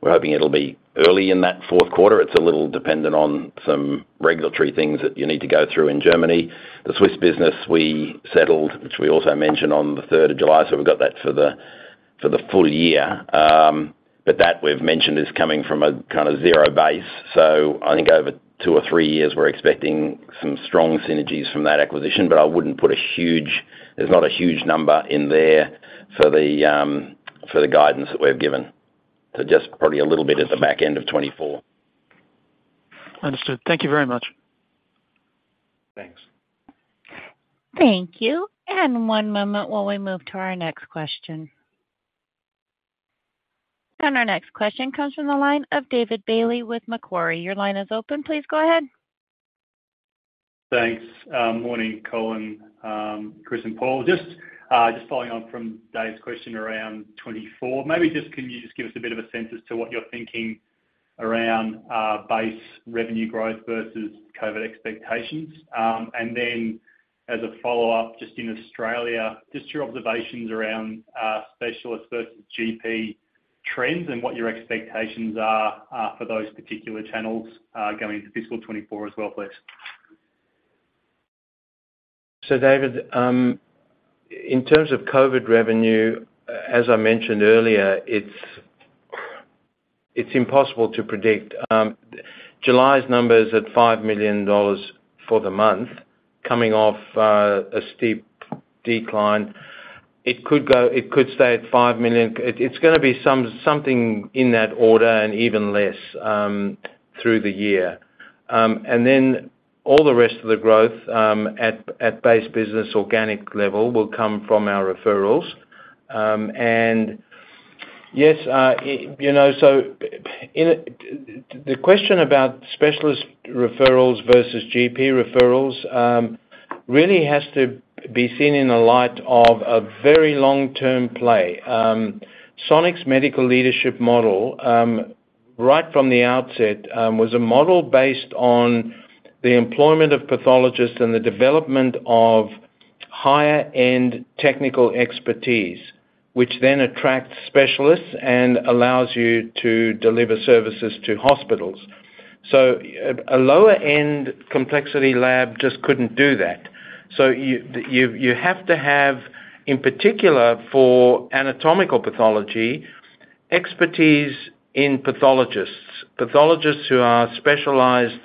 S4: We're hoping it'll be early in that fourth quarter. It's a little dependent on some regulatory things that you need to go through in Germany. The Swiss business, we settled, which we also mentioned on the July 3rd, so we've got that for the, for the full year. That we've mentioned is coming from a kind of zero base. I think over two or three years, we're expecting some strong synergies from that acquisition, but I wouldn't put a huge number in there for the guidance that we've given. Just probably a little bit at the back end of 2024.
S6: Understood. Thank you very much.
S2: Thanks.
S1: Thank you. One moment while we move to our next question. Our next question comes from the line of David Bailey with Macquarie. Your line is open. Please go ahead.
S8: Thanks. Morning, Colin, Chris, and Paul. Just, just following on from Dave's question around 2024, maybe just, can you just give us a bit of a sense as to what you're thinking around base revenue growth versus COVID expectations? Then as a follow-up, just in Australia, just your observations around specialists versus GP trends and what your expectations are, are for those particular channels going into fiscal 2024 as well, please.
S2: David, in terms of COVID revenue, as I mentioned earlier, it's, it's impossible to predict. July's number is at 5 million dollars for the month, coming off a steep decline. It could go, it could stay at 5 million. It, it's gonna be something in that order and even less through the year. Then all the rest of the growth, at, at base business organic level will come from our referrals. Yes, you know, so the question about specialist referrals versus GP referrals really has to be seen in the light of a very long-term play. Sonic's medical leadership model, right from the outset, was a model based on the employment of pathologists and the development of higher-end technical expertise, which then attracts specialists and allows you to deliver services to hospitals. A, a lower-end complexity lab just couldn't do that. You, you, you have to have, in particular, for anatomical pathology, expertise in pathologists, pathologists who are specialized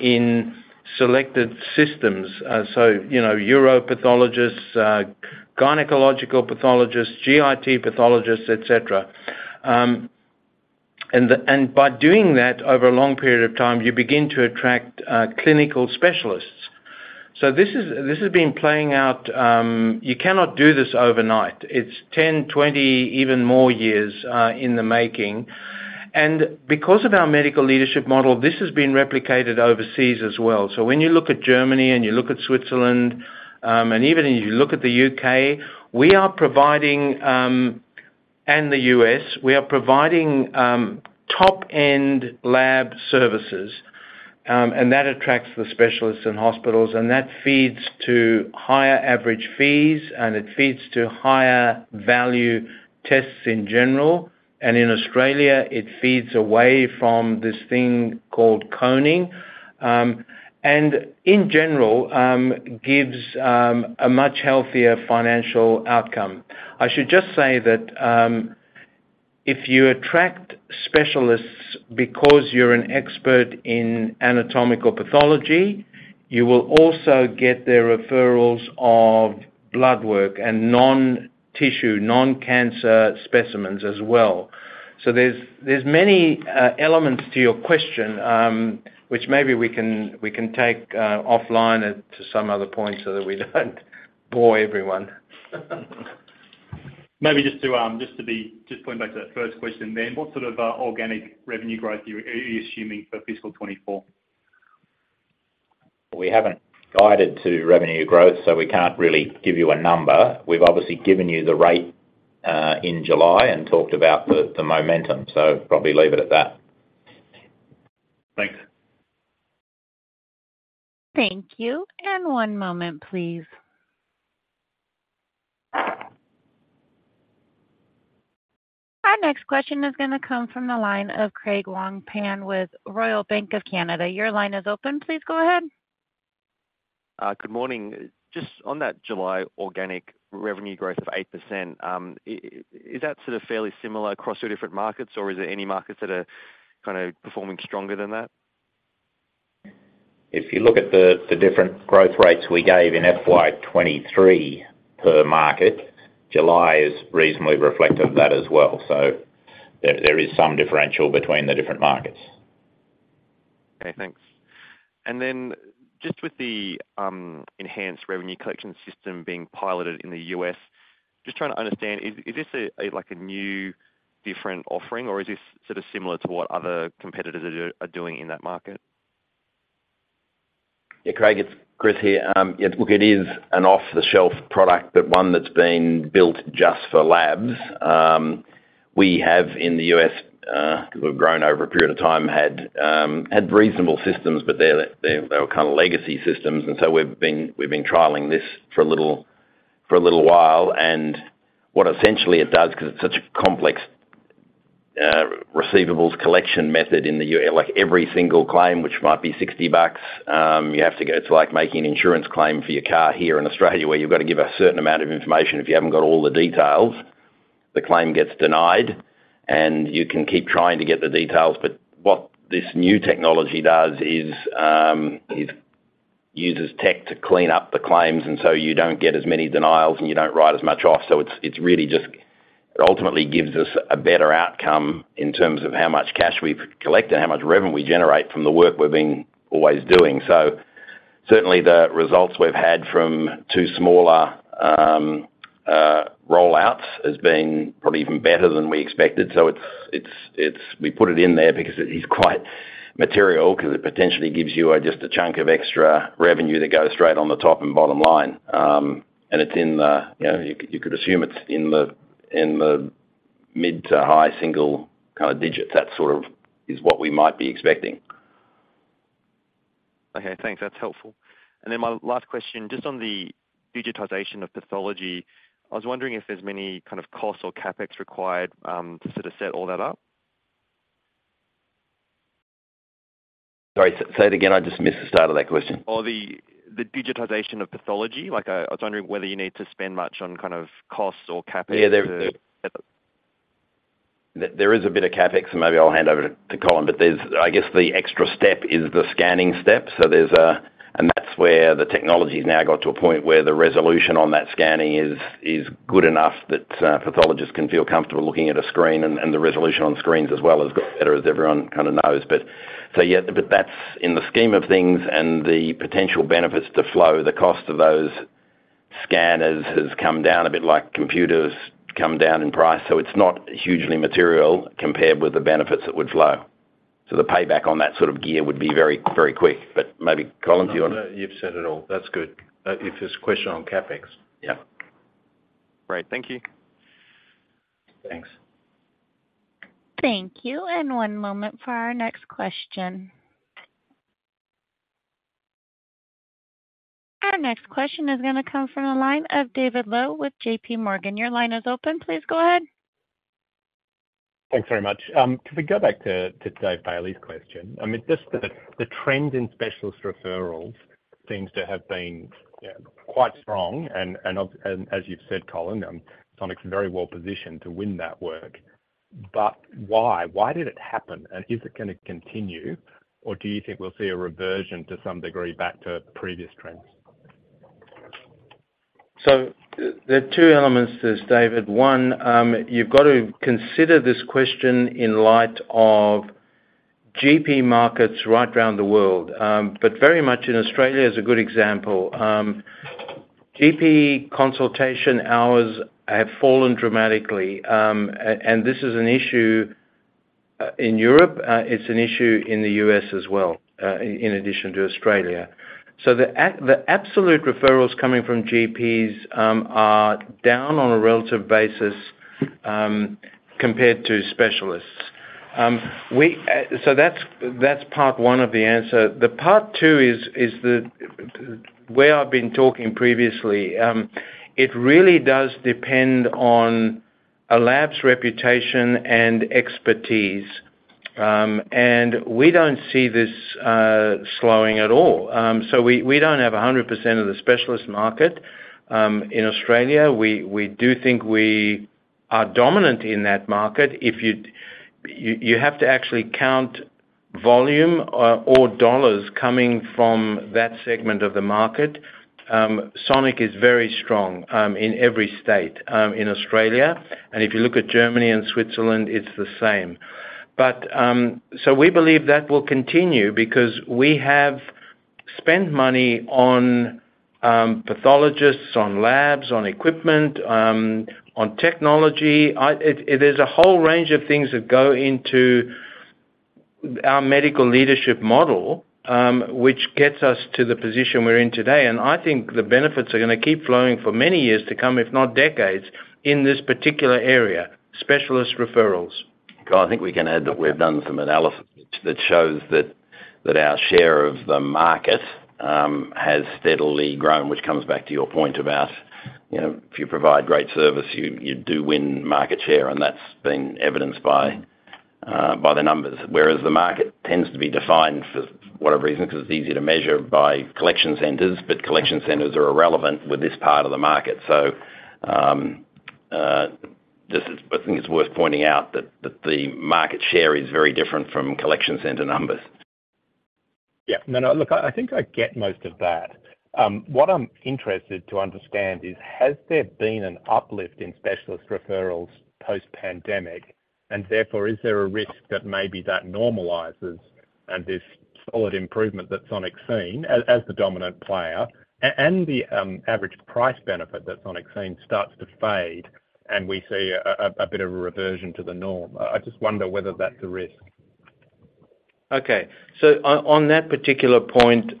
S2: in selected systems. So, you know, Uropathologists, gynecological pathologists, GIT pathologists, et cetera. And the, and by doing that over a long period of time, you begin to attract clinical specialists. This is, this has been playing out. You cannot do this overnight. It's 10, 20, even more years in the making. Because of our medical leadership model, this has been replicated overseas as well. When you look at Germany, and you look at Switzerland, and even if you look at the U.K., we are providing, and the U.S., we are providing, top-end lab services, and that attracts the specialists in hospitals, and that feeds to higher average fees, and it feeds to higher value tests in general. In Australia, it feeds away from this thing called coning, and in general, gives a much healthier financial outcome. I should just say that if you attract specialists because you're an expert in anatomical pathology, you will also get their referrals of blood work and non-tissue, non-cancer specimens as well. There's, there's many elements to your question, which maybe we can, we can take offline at to some other point so that we don't bore everyone.
S8: Maybe just to point back to that first question then, what sort of organic revenue growth are you assuming for fiscal 2024?
S4: We haven't guided to revenue growth, so we can't really give you a number. We've obviously given you the rate in July and talked about the, the momentum. Probably leave it at that.
S1: Thanks. Thank you. One moment, please. Our next question is gonna come from the line of Craig Wong-Pan with Royal Bank of Canada. Your line is open. Please go ahead.
S9: Good morning. Just on that July organic revenue growth of 8%, is that sort of fairly similar across your different markets, or is there any markets that are kind of performing stronger than that?
S4: If you look at the, the different growth rates we gave in FY 2023 per market, July has reasonably reflected that as well. There is some differential between the different markets.
S9: Okay, thanks. Just with the enhanced revenue collection system being piloted in the U.S., just trying to understand, is this a new different offering, or is this sort of similar to what other competitors are doing in that market?
S4: Yeah, Craig, it's Chris here. Yeah, look, it is an off-the-shelf product, but one that's been built just for labs. We have in the U.S., because we've grown over a period of time, had reasonable systems, but they're, they, they were kind of legacy systems, and so we've been, we've been trialing this for a little, for a little while. What essentially it does, because it's such a complex receivables collection method in the U.S., like every single claim, which might be $60, you have to go. It's like making an insurance claim for your car here in Australia, where you've got to give a certain amount of information. If you haven't got all the details, the claim gets denied, and you can keep trying to get the details. What this new technology does is uses tech to clean up the claims, and so you don't get as many denials, and you don't write as much off. It's really just ultimately gives us a better outcome in terms of how much cash we've collected, how much revenue we generate from the work we've been always doing. Certainly the results we've had from two smaller rollouts has been probably even better than we expected. It's, it's, it's, we put it in there because it's quite material, because it potentially gives you just a chunk of extra revenue that goes straight on the top and bottom line. And it's in the, you know, you could assume it's in the mid to high single kind of digits. That sort of is what we might be expecting.
S9: Okay, thanks. That's helpful. Then my last question, just on the digitization of pathology, I was wondering if there's many kind of costs or CapEx required to sort of set all that up?
S4: Sorry, say it again, I just missed the start of that question.
S9: On the digitization of pathology, like I was wondering whether you need to spend much on kind of costs or CapEx.
S4: Yeah, there is a bit of CapEx, and maybe I'll hand over to Colin, but there's, I guess, the extra step is the scanning step. And that's where the technology has now got to a point where the resolution on that scanning is good enough that pathologists can feel comfortable looking at a screen, and the resolution on screens as well has got better, as everyone kind of knows. That's in the scheme of things and the potential benefits to flow, the cost of those scanners has come down a bit like computers come down in price, so it's not hugely material compared with the benefits that would flow. The payback on that sort of gear would be very, very quick. Maybe, Colin, do you want to-
S2: No, you've said it all. That's good. It's his question on CapEx.
S4: Yeah. Great. Thank you. Thanks.
S1: Thank you. One moment for our next question. Our next question is gonna come from the line of David Low with JPMorgan. Your line is open. Please go ahead.
S10: Thanks very much. Could we go back to, to David Bailey's question? I mean, just the, the trend in specialist referrals seems to have been quite strong and, and as you've said, Colin, Sonic's very well positioned to win that work. Why? Why did it happen, and is it gonna continue, or do you think we'll see a reversion to some degree back to previous trends?
S2: There are two elements to this, David. One, you've got to consider this question in light of GP markets right around the world. Very much in Australia is a good example. GP consultation hours have fallen dramatically, and this is an issue in Europe, it's an issue in the U.S. as well, in addition to Australia. The absolute referrals coming from GPs are down on a relative basis compared to specialists. That's, that's part one of the answer. The part two is, is the where I've been talking previously. It really does depend on a lab's reputation and expertise, and we don't see this slowing at all. We, we don't have 100% of the specialist market in Australia. We, we do think we are dominant in that market. If you, you have to actually count volume or, or dollars coming from that segment of the market. Sonic is very strong in every state in Australia, and if you look at Germany and Switzerland, it's the same. We believe that will continue because we have spent money on pathologists, on labs, on equipment, on technology. There's a whole range of things that go into our medical leadership model, which gets us to the position we're in today, and I think the benefits are gonna keep flowing for many years to come, if not decades, in this particular area, specialist referrals.
S4: I think we can add that we've done some analysis that shows that our share of the market has steadily grown, which comes back to your point about, you know, if you provide great service, you, you do win market share, and that's been evidenced by the numbers. Whereas the market tends to be defined for whatever reason, because it's easier to measure by collection centers, but collection centers are irrelevant with this part of the market. I think it's worth pointing out that the market share is very different from collection center numbers.
S10: Yeah. No, no, look, I, I think I get most of that. What I'm interested to understand is, has there been an uplift in specialist referrals post-pandemic, and therefore, is there a risk that maybe that normalizes and this solid improvement that Sonic's seen, as, as the dominant player, and the average price benefit that Sonic's seen starts to fade, and we see a bit of a reversion to the norm? I just wonder whether that's a risk.
S2: Okay. On, on that particular point,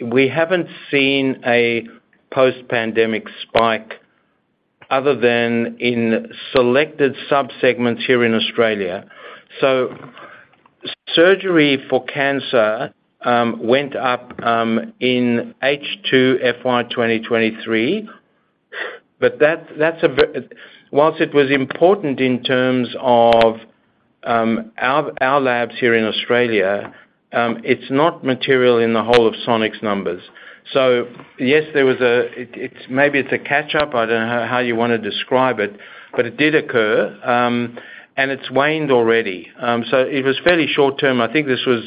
S2: we haven't seen a post-pandemic spike other than in selected subsegments here in Australia. Surgery for cancer, went up, in H2 FY 2023, that, that's a whilst it was important in terms of, our, our labs here in Australia, it's not material in the whole of Sonic's numbers. Yes, there was a. Maybe it's a catch-up, I don't know how you wanna describe it, but it did occur, and it's waned already. It was fairly short-term. I think this was,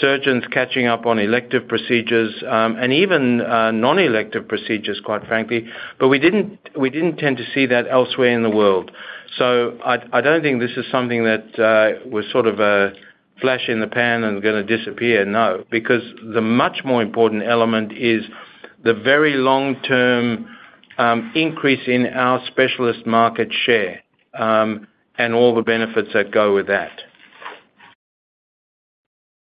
S2: surgeons catching up on elective procedures, and even, non-elective procedures, quite frankly. We didn't, we didn't tend to see that elsewhere in the world. I, I don't think this is something that was sort of a flash in the pan and gonna disappear. No, because the much more important element is the very long-term increase in our specialist market share, and all the benefits that go with that.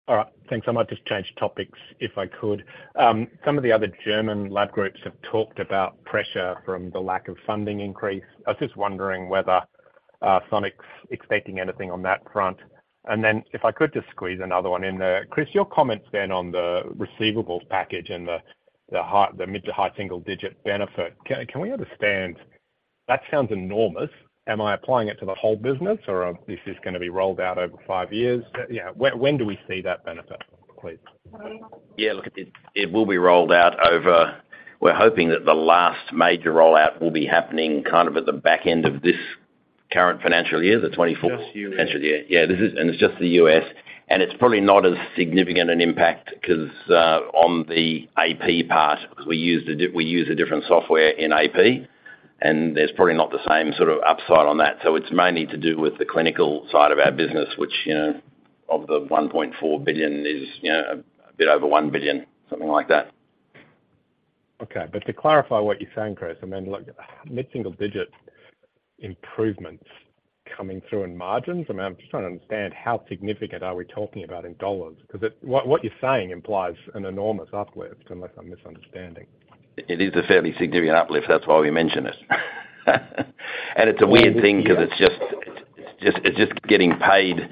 S10: All right. Thanks. I might just change topics, if I could. Some of the other German lab groups have talked about pressure from the lack of funding increase. I was just wondering whether Sonic Healthcare's expecting anything on that front. Then if I could just squeeze another one in there. Chris, your comments then on the receivables package and the mid to high single digit benefit, can we understand? That sounds enormous. Am I applying it to the whole business, or is this going to be rolled out over five years? When do we see that benefit, please?
S4: Yeah, look, it, it will be rolled out over. We're hoping that the last major rollout will be happening kind of at the back end of this current financial year, the 2024.
S2: Just U.S.
S4: Financial year. Yeah, this is- it's just the U.S., and it's probably not as significant an impact, 'cause, on the AP part, 'cause we use a different software in AP, and there's probably not the same sort of upside on that. It's mainly to do with the clinical side of our business, which, you know, of the 1.4 billion is, you know, a bit over 1 billion, something like that.
S10: To clarify what you're saying, Chris, I mean, look, mid-single-digit improvements coming through in margins? I mean, I'm just trying to understand how significant are we talking about in AUD, because what you're saying implies an enormous uplift, unless I'm misunderstanding.
S4: It is a fairly significant uplift, that's why we mention it. It's a weird thing, because it's just getting paid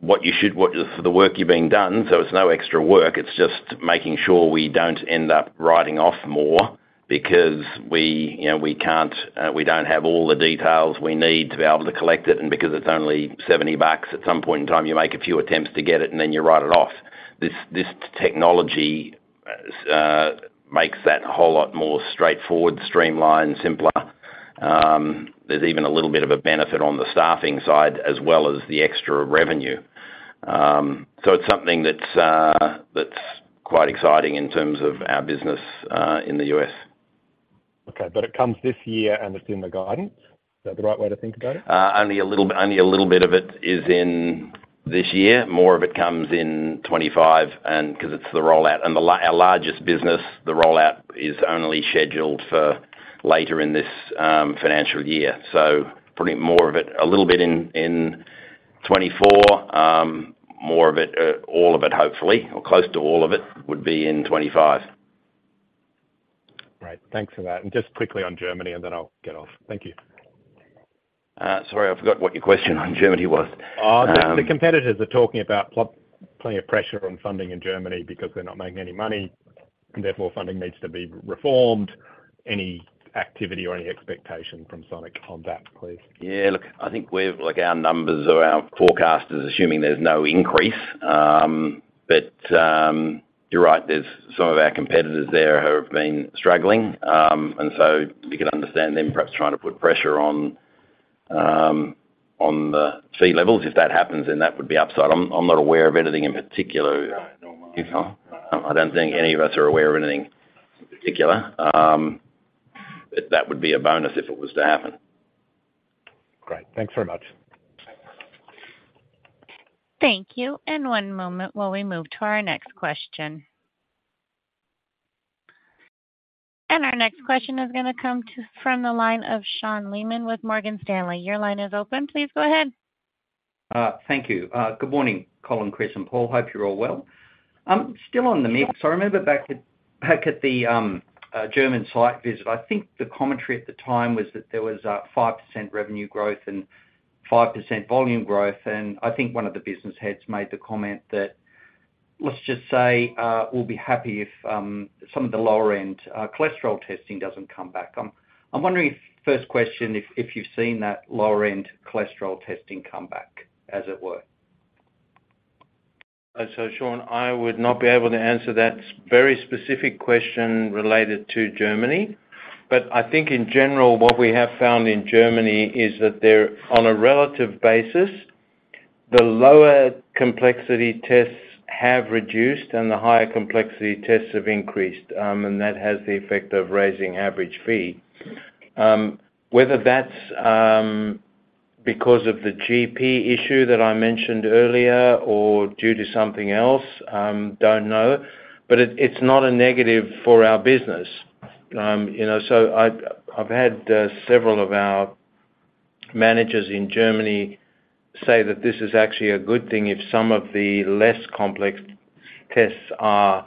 S4: what you should what for the work you're being done, so it's no extra work, it's just making sure we don't end up writing off more because we, you know, we can't, we don't have all the details we need to be able to collect it, and because it's only $70, at some point in time, you make a few attempts to get it, and then you write it off. This, this technology makes that a whole lot more straightforward, streamlined, simpler. There's even a little bit of a benefit on the staffing side, as well as the extra revenue. So it's something that's quite exciting in terms of our business in the U.S.
S10: Okay, it comes this year, and it's in the guidance? Is that the right way to think about it?
S4: Only a little, only a little bit of it is in this year. More of it comes in 2025, and because it's the rollout. Our largest business, the rollout is only scheduled for later in this financial year. Probably more of it, a little bit in, in 2024, more of it, all of it hopefully, or close to all of it, would be in 2025.
S10: Great. Thanks for that. Just quickly on Germany, and then I'll get off. Thank you.
S4: Sorry, I forgot what your question on Germany was.
S10: The, the competitors are talking about plenty of pressure on funding in Germany because they're not making any money, and therefore, funding needs to be reformed. Any activity or any expectation from Sonic on that, please?
S4: Yeah, look, I think we've-- like, our numbers or our forecast is assuming there's no increase. You're right, there's some of our competitors there who have been struggling. You can understand them perhaps trying to put pressure on the fee levels. If that happens, then that would be upside. I'm, I'm not aware of anything in particular.
S10: No, nor am I.
S4: I don't think any of us are aware of anything in particular. That would be a bonus if it was to happen.
S10: Great. Thanks very much.
S1: Thank you. One moment while we move to our next question. Our next question is gonna come from the line of Sean Laaman with Morgan Stanley. Your line is open. Please go ahead.
S11: Thank you. Good morning, Colin, Chris, and Paul. Hope you're all well. Still on the mix, I remember back at, back at the German site visit, I think the commentary at the time was that there was 5% revenue growth and 5% volume growth, and I think one of the business heads made the comment that, let's just say, we'll be happy if some of the lower-end cholesterol testing doesn't come back. I'm wondering, first question, if, if you've seen that lower-end cholesterol testing come back, as it were?
S2: Sean, I would not be able to answer that very specific question related to Germany. I think in general, what we have found in Germany is that they're, on a relative basis, the lower complexity tests have reduced and the higher complexity tests have increased, and that has the effect of raising average fee. Whether that's because of the GP issue that I mentioned earlier or due to something else, don't know. It's not a negative for our business. You know, I've, I've had several of our managers in Germany say that this is actually a good thing if some of the less complex tests are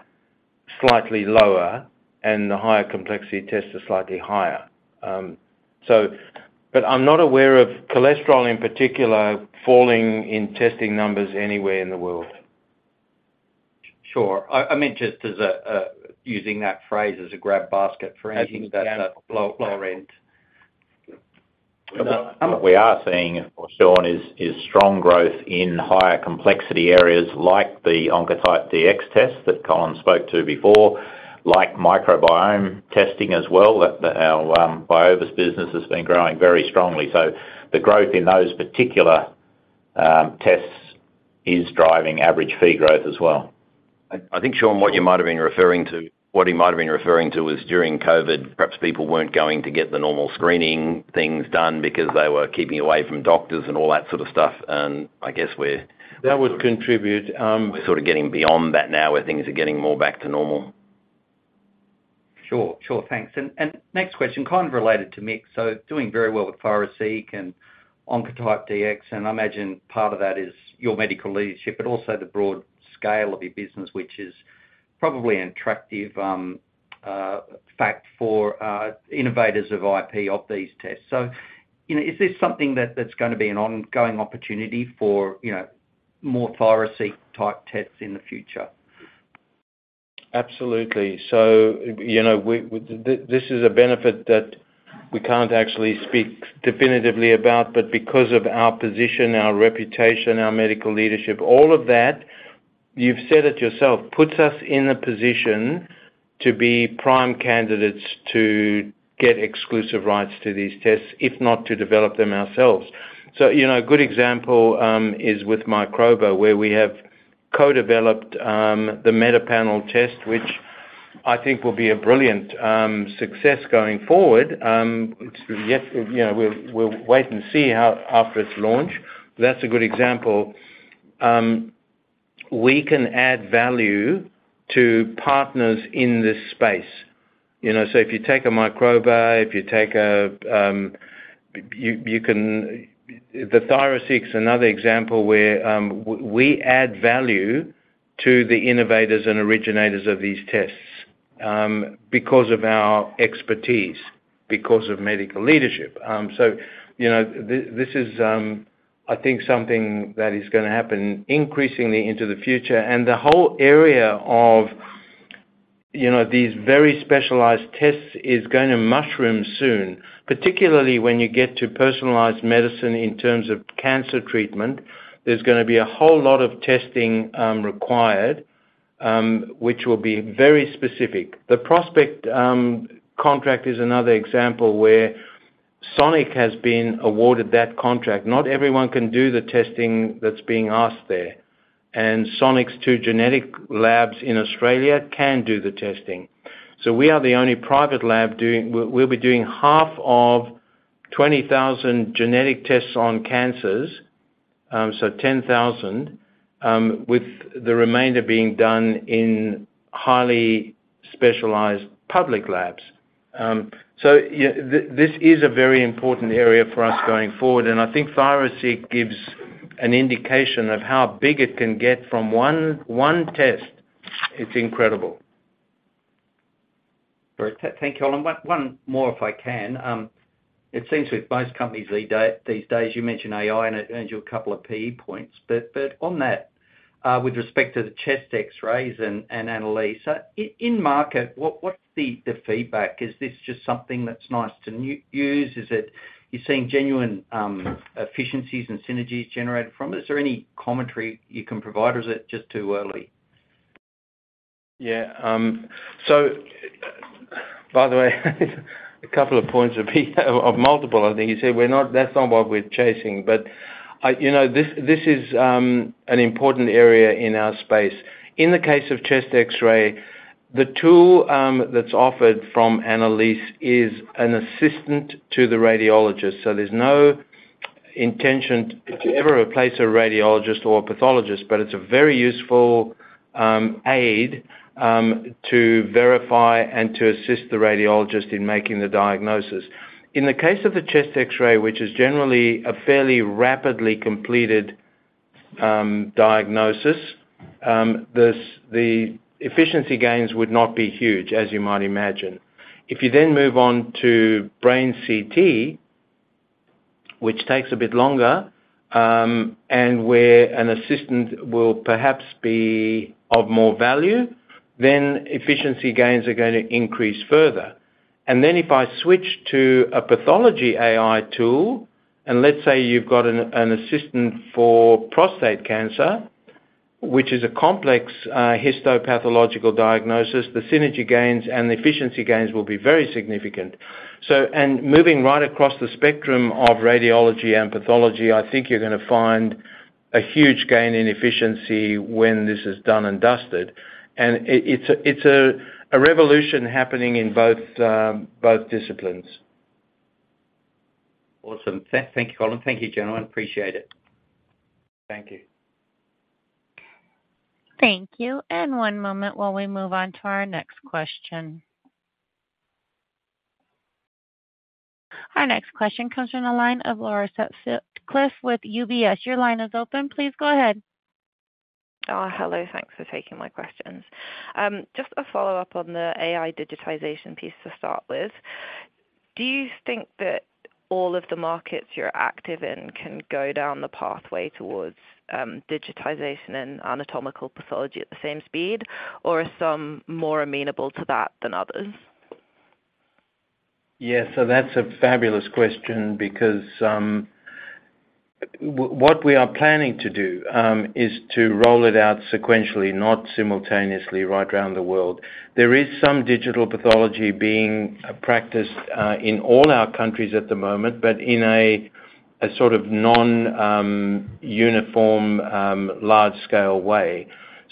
S2: slightly lower and the higher complexity tests are slightly higher. I'm not aware of cholesterol, in particular, falling in testing numbers anywhere in the world.
S11: Sure. I, I meant just as using that phrase as a grab basket for anything that's-
S2: I think.
S11: lower end.
S7: What we are seeing, Sean, is, is strong growth in higher complexity areas like the Oncotype DX test that Colin spoke to before, like microbiome testing as well, our Biovis business has been growing very strongly. The growth in those particular, tests is driving average fee growth as well.
S2: I think, Sean, what you might have been referring to, what he might have been referring to was during COVID, perhaps people weren't going to get the normal screening things done because they were keeping away from doctors and all that sort of stuff. I guess.
S11: That would contribute.
S2: We're sort of getting beyond that now, where things are getting more back to normal.
S11: Sure. Sure, thanks. Next question, kind of related to mix, so doing very well with ThyroSeq and Oncotype DX, and I imagine part of that is your medical leadership, but also the broad scale of your business, which is probably an attractive, fact for innovators of IP of these tests. You know, is this something that, that's gonna be an ongoing opportunity for, you know, more ThyroSeq-type tests in the future?
S2: Absolutely. So, you know, we, we this is a benefit that we can't actually speak definitively about, but because of our position, our reputation, our medical leadership, all of that, you've said it yourself, puts us in a position to be prime candidates to get exclusive rights to these tests, if not to develop them ourselves. You know, a good example is with Microba, where we have co-developed the MetaPanel test, which I think will be a brilliant success going forward. Yes, you know, we'll, we'll wait and see how after its launch. That's a good example. We can add value to partners in this space. You know, so if you take a Microba, if you take a, you can. The ThyroSeq is another example where we add value to the innovators and originators of these tests because of our expertise, because of medical leadership. So, you know, this is I think something that is gonna happen increasingly into the future. The whole area of, you know, these very specialized tests is gonna mushroom soon, particularly when you get to personalized medicine in terms of cancer treatment. There's gonna be a whole lot of testing required which will be very specific. The PrOSPeCT contract is another example where Sonic has been awarded that contract. Not everyone can do the testing that's being asked there, and Sonic's 2 genetic labs in Australia can do the testing. We are the only private lab doing half of 20,000 genetic tests on cancers, so 10,000, with the remainder being done in highly specialized public labs. This is a very important area for us going forward, and I think ThyroSeq gives an indication of how big it can get from one test. It's incredible.
S11: Great. Thank you, Colin. One more, if I can. It seems with most companies these days, you mention AI, and it earns you two PE points. On that, with respect to the chest X-rays and Annalise.ai in market, what's the feedback? Is this just something that's nice to use? Is it you're seeing genuine efficiencies and synergies generated from it? Is there any commentary you can provide, or is it just too early?
S2: Yeah, so, by the way, two points of multiple, I think you said, we're not-- that's not what we're chasing. I-- you know, this, this is an important area in our space. In the case of chest X-ray. The tool that's offered from Annalise is an assistant to the radiologist, so there's no intention to ever replace a radiologist or a pathologist, but it's a very useful aid to verify and to assist the radiologist in making the diagnosis. In the case of a chest X-ray, which is generally a fairly rapidly completed diagnosis, this-- the efficiency gains would not be huge, as you might imagine. If you then move on to brain CT, which takes a bit longer, and where an assistant will perhaps be of more value, then efficiency gains are going to increase further. Then if I switch to a pathology AI tool, and let's say you've got an assistant for prostate cancer, which is a complex, histopathological diagnosis, the synergy gains and the efficiency gains will be very significant. Moving right across the spectrum of radiology and pathology, I think you're gonna find a huge gain in efficiency when this is done and dusted. It, it's a, it's a, a revolution happening in both, both disciplines.
S12: Awesome. Thank you, Colin. Thank you, gentlemen. Appreciate it.
S2: Thank you.
S1: Thank you. One moment while we move on to our next question. Our next question comes from the line of Laura Sutcliffe with UBS. Your line is open. Please go ahead.
S13: Hello, thanks for taking my questions. Just a follow-up on the AI digitization piece to start with. Do you think that all of the markets you're active in can go down the pathway towards digitization and anatomical pathology at the same speed, or are some more amenable to that than others?
S2: That's a fabulous question because what we are planning to do is to roll it out sequentially, not simultaneously, right around the world. There is some digital pathology being practiced in all our countries at the moment, but in a sort of non-uniform, large-scale way.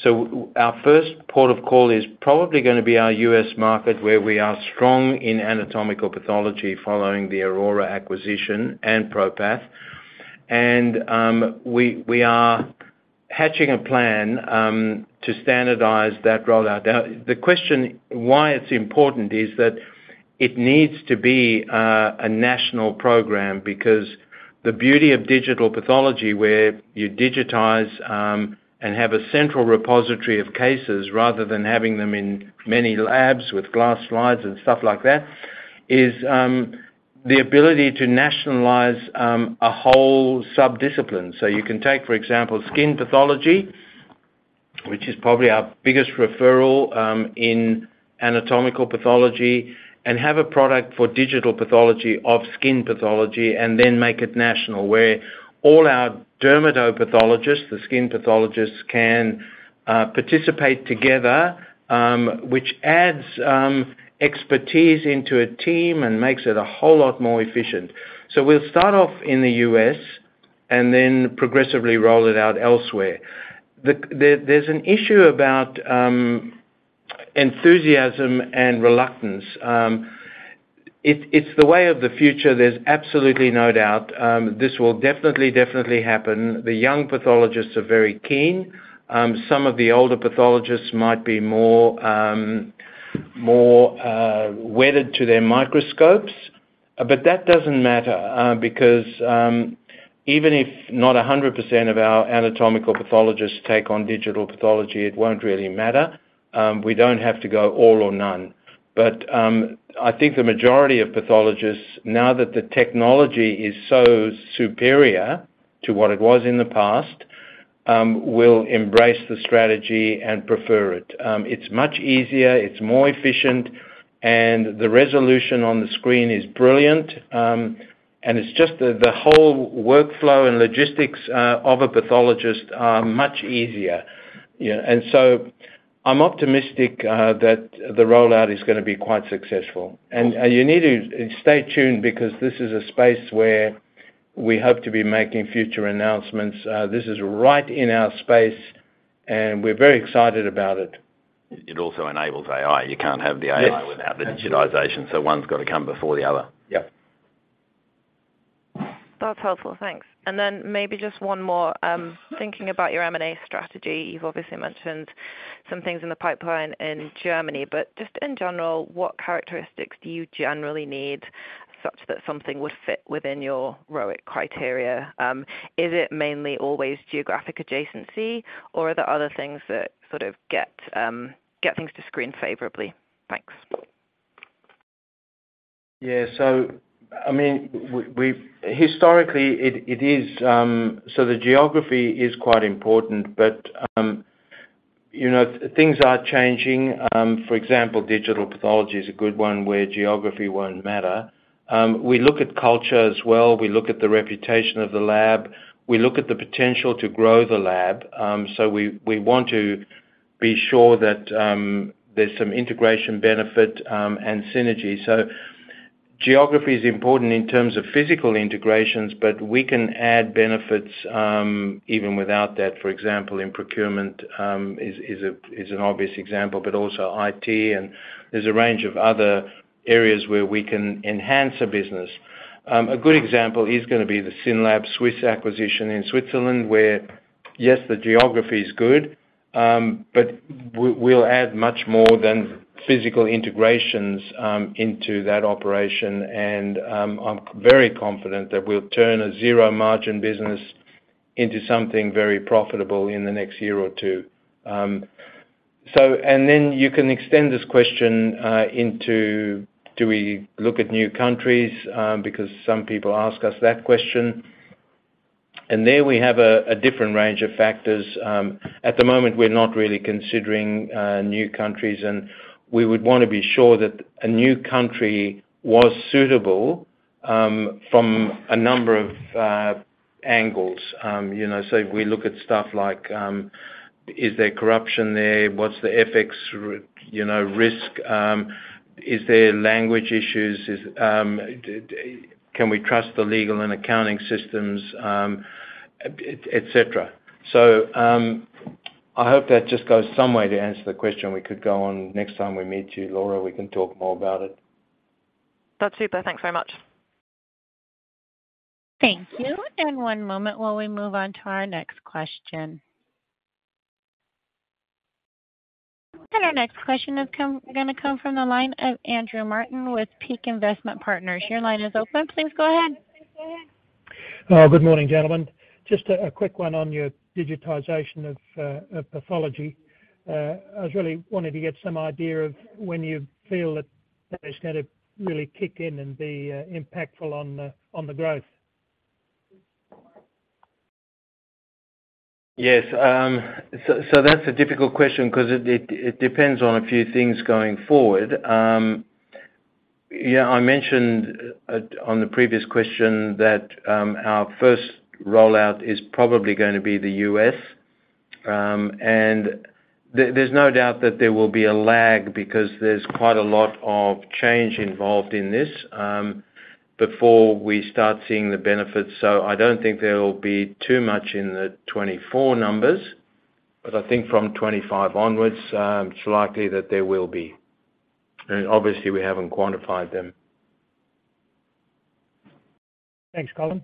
S2: Our first port of call is probably gonna be our U.S. market, where we are strong in anatomical pathology, following the Aurora acquisition and ProPath. We, we are hatching a plan to standardize that rollout. The question, why it's important, is that it needs to be a national program because the beauty of digital pathology, where you digitize and have a central repository of cases, rather than having them in many labs with glass slides and stuff like that, is the ability to nationalize a whole subdiscipline. You can take, for example, skin pathology, which is probably our biggest referral, in anatomical pathology, and have a product for digital pathology of skin pathology, and then make it national, where all our dermatopathologists, the skin pathologists, can participate together, which adds expertise into a team and makes it a whole lot more efficient. We'll start off in the U.S. and then progressively roll it out elsewhere. There, there's an issue about enthusiasm and reluctance. It, it's the way of the future, there's absolutely no doubt. This will definitely, definitely happen. The young pathologists are very keen. Some of the older pathologists might be more, more, wedded to their microscopes. That doesn't matter, because even if not 100% of our anatomical pathologists take on digital pathology, it won't really matter. We don't have to go all or none. I think the majority of pathologists, now that the technology is so superior to what it was in the past, will embrace the strategy and prefer it. It's much easier, it's more efficient, and the resolution on the screen is brilliant. And it's just the, the whole workflow and logistics of a pathologist are much easier. Yeah, I'm optimistic that the rollout is gonna be quite successful. You need to stay tuned, because this is a space where we hope to be making future announcements. This is right in our space, and we're very excited about it.
S4: It also enables AI. You can't have the AI-
S2: Yes.
S4: Without the digitization, so one's got to come before the other.
S2: Yep.
S13: That's helpful. Thanks. Then maybe just one more. Thinking about your M&A strategy, you've obviously mentioned some things in the pipeline in Germany, but just in general, what characteristics do you generally need such that something would fit within your ROIC criteria? Is it mainly always geographic adjacency, or are there other things that sort of get things to screen favorably? Thanks.
S2: Yeah, so I mean, we've historically, it is, so the geography is quite important, but, you know, things are changing. For example, digital pathology is a good one where geography won't matter. We look at culture as well. We look at the reputation of the lab. We look at the potential to grow the lab. So we, we want to be sure that there's some integration benefit and synergy. Geography is important in terms of physical integrations, but we can add benefits even without that. For example, in procurement, is an obvious example, but also IT, and there's a range of other areas where we can enhance a business. A good example is gonna be the SYNLAB Suisse acquisition in Switzerland, where, yes, the geography is good, but we, we'll add much more than physical integrations into that operation. I'm very confident that we'll turn a 0 margin business into something very profitable in the next one or two years. You can extend this question into, do we look at new countries? Because some people ask us that question. There we have a different range of factors. At the moment, we're not really considering new countries, and we would wanna be sure that a new country was suitable from a number of angles. You know, so if we look at stuff like, is there corruption there? What's the ethics, you know, risk? Is there language issues? Is, can we trust the legal and accounting systems, et cetera. I hope that just goes some way to answer the question. We could go on. Next time we meet you, Laura, we can talk more about it.
S14: That's super. Thanks very much.
S1: Thank you. One moment while we move on to our next question. Our next question gonna come from the line of Andrew Martin with Peak Investment Partners. Your line is open. Please go ahead.
S15: Good morning, gentlemen. Just a quick one on your digitization of pathology. I was really wanting to get some idea of when you feel that, that is gonna really kick in and be impactful on the growth.
S2: Yes, that's a difficult question because it depends on a few things going forward. Yeah, I mentioned on the previous question that our first rollout is probably going to be the U.S. There's no doubt that there will be a lag because there's quite a lot of change involved in this before we start seeing the benefits. I don't think there will be too much in the 2024 numbers, but I think from 2025 onwards, it's likely that there will be. Obviously, we haven't quantified them.
S15: Thanks, Colin.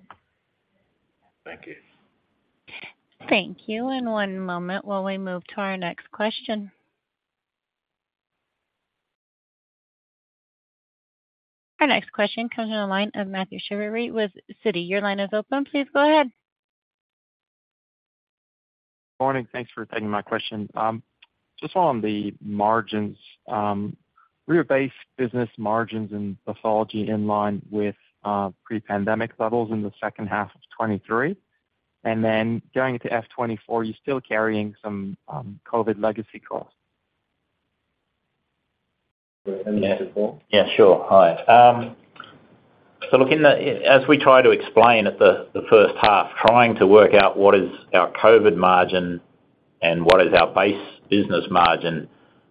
S2: Thank you.
S1: Thank you. One moment while we move to our next question. Our next question comes from the line of Mathieu Chevrier with Citi. Your line is open. Please go ahead.
S16: Morning. Thanks for taking my question. Just on the margins, were your base business margins and pathology in line with pre-pandemic levels in the second half of 2023? Then going into FY 2024, are you still carrying some COVID legacy costs?
S2: Yeah.
S4: Yeah, sure. Hi. Look, in the, as we try to explain at the, the first half, trying to work out what is our COVID margin and what is our base business margin,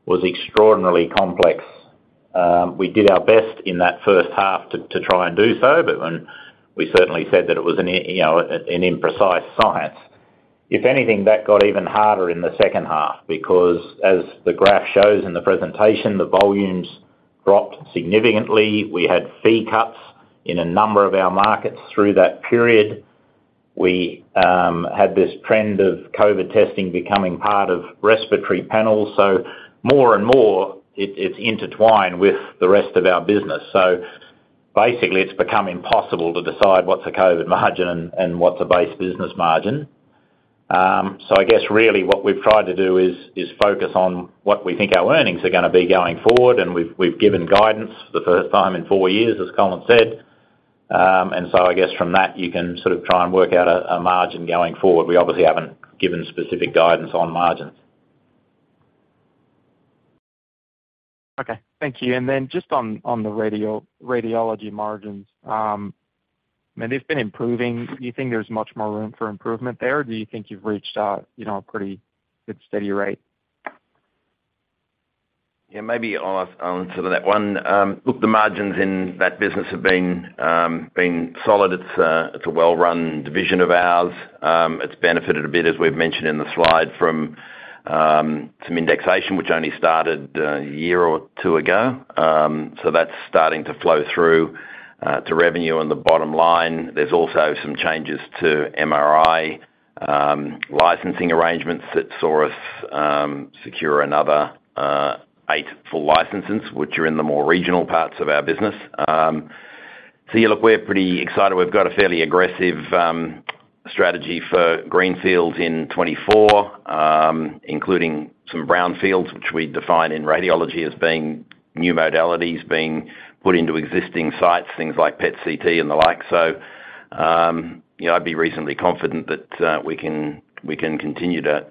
S4: was extraordinarily complex. We did our best in that first half to, to try and do so, but when we certainly said that it was an, you know, an imprecise science. If anything, that got even harder in the second half, because as the graph shows in the presentation, the volumes dropped significantly. We had fee cuts in a number of our markets through that period. We had this trend of COVID testing becoming part of respiratory panels. More and more, it, it's intertwined with the rest of our business. Basically, it's become impossible to decide what's a COVID margin and, and what's a base business margin. I guess really what we've tried to do is, is focus on what we think our earnings are gonna be going forward, and we've, we've given guidance for the first time in four years, as Colin said. I guess from that, you can sort of try and work out a, a margin going forward. We obviously haven't given specific guidance on margins.
S16: Okay. Thank you. Then just on, on the radiology margins, I mean, they've been improving. Do you think there's much more room for improvement there, or do you think you've reached a, you know, a pretty good, steady rate?
S4: Yeah, maybe I'll answer that one. Look, the margins in that business have been solid. It's a well-run division of ours. It's benefited a bit, as we've mentioned in the slide, from some indexation, which only started a year or two ago. That's starting to flow through to revenue on the bottom line. There's also some changes to MRI licensing arrangements that saw us secure another eight full licenses, which are in the more regional parts of our business. Yeah, look, we're pretty excited. We've got a fairly aggressive strategy for greenfields in 2024, including some brownfields, which we define in radiology as being new modalities being put into existing sites, things like PET/CT and the like. You know, I'd be reasonably confident that we can, we can continue to,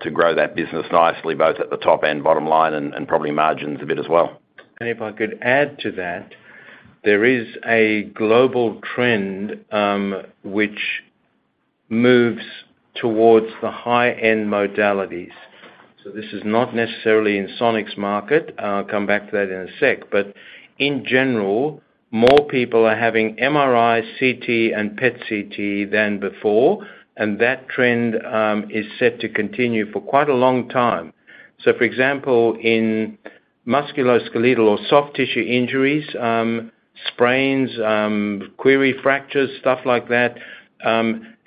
S4: to grow that business nicely, both at the top and bottom line and, and probably margins a bit as well.
S2: If I could add to that, there is a global trend, which moves towards the high-end modalities. This is not necessarily in Sonic's market. I'll come back to that in a sec. In general, more people are having MRI, CT, and PET/CT than before, and that trend is set to continue for quite a long time. For example, in musculoskeletal or soft tissue injuries, sprains, query fractures, stuff like that,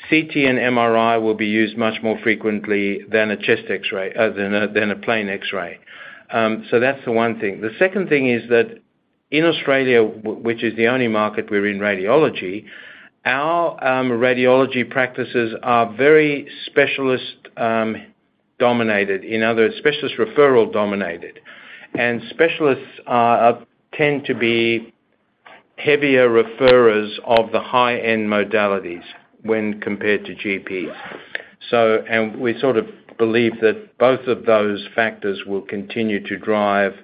S2: CT and MRI will be used much more frequently than a chest X-ray, than a, than a plain X-ray. So that's the one thing. The second thing is that in Australia, which is the only market we're in radiology, our radiology practices are very specialist dominated, in other specialist referral dominated. Specialists tend to be heavier referrers of the high-end modalities when compared to GPs. We sort of believe that both of those factors will continue to drive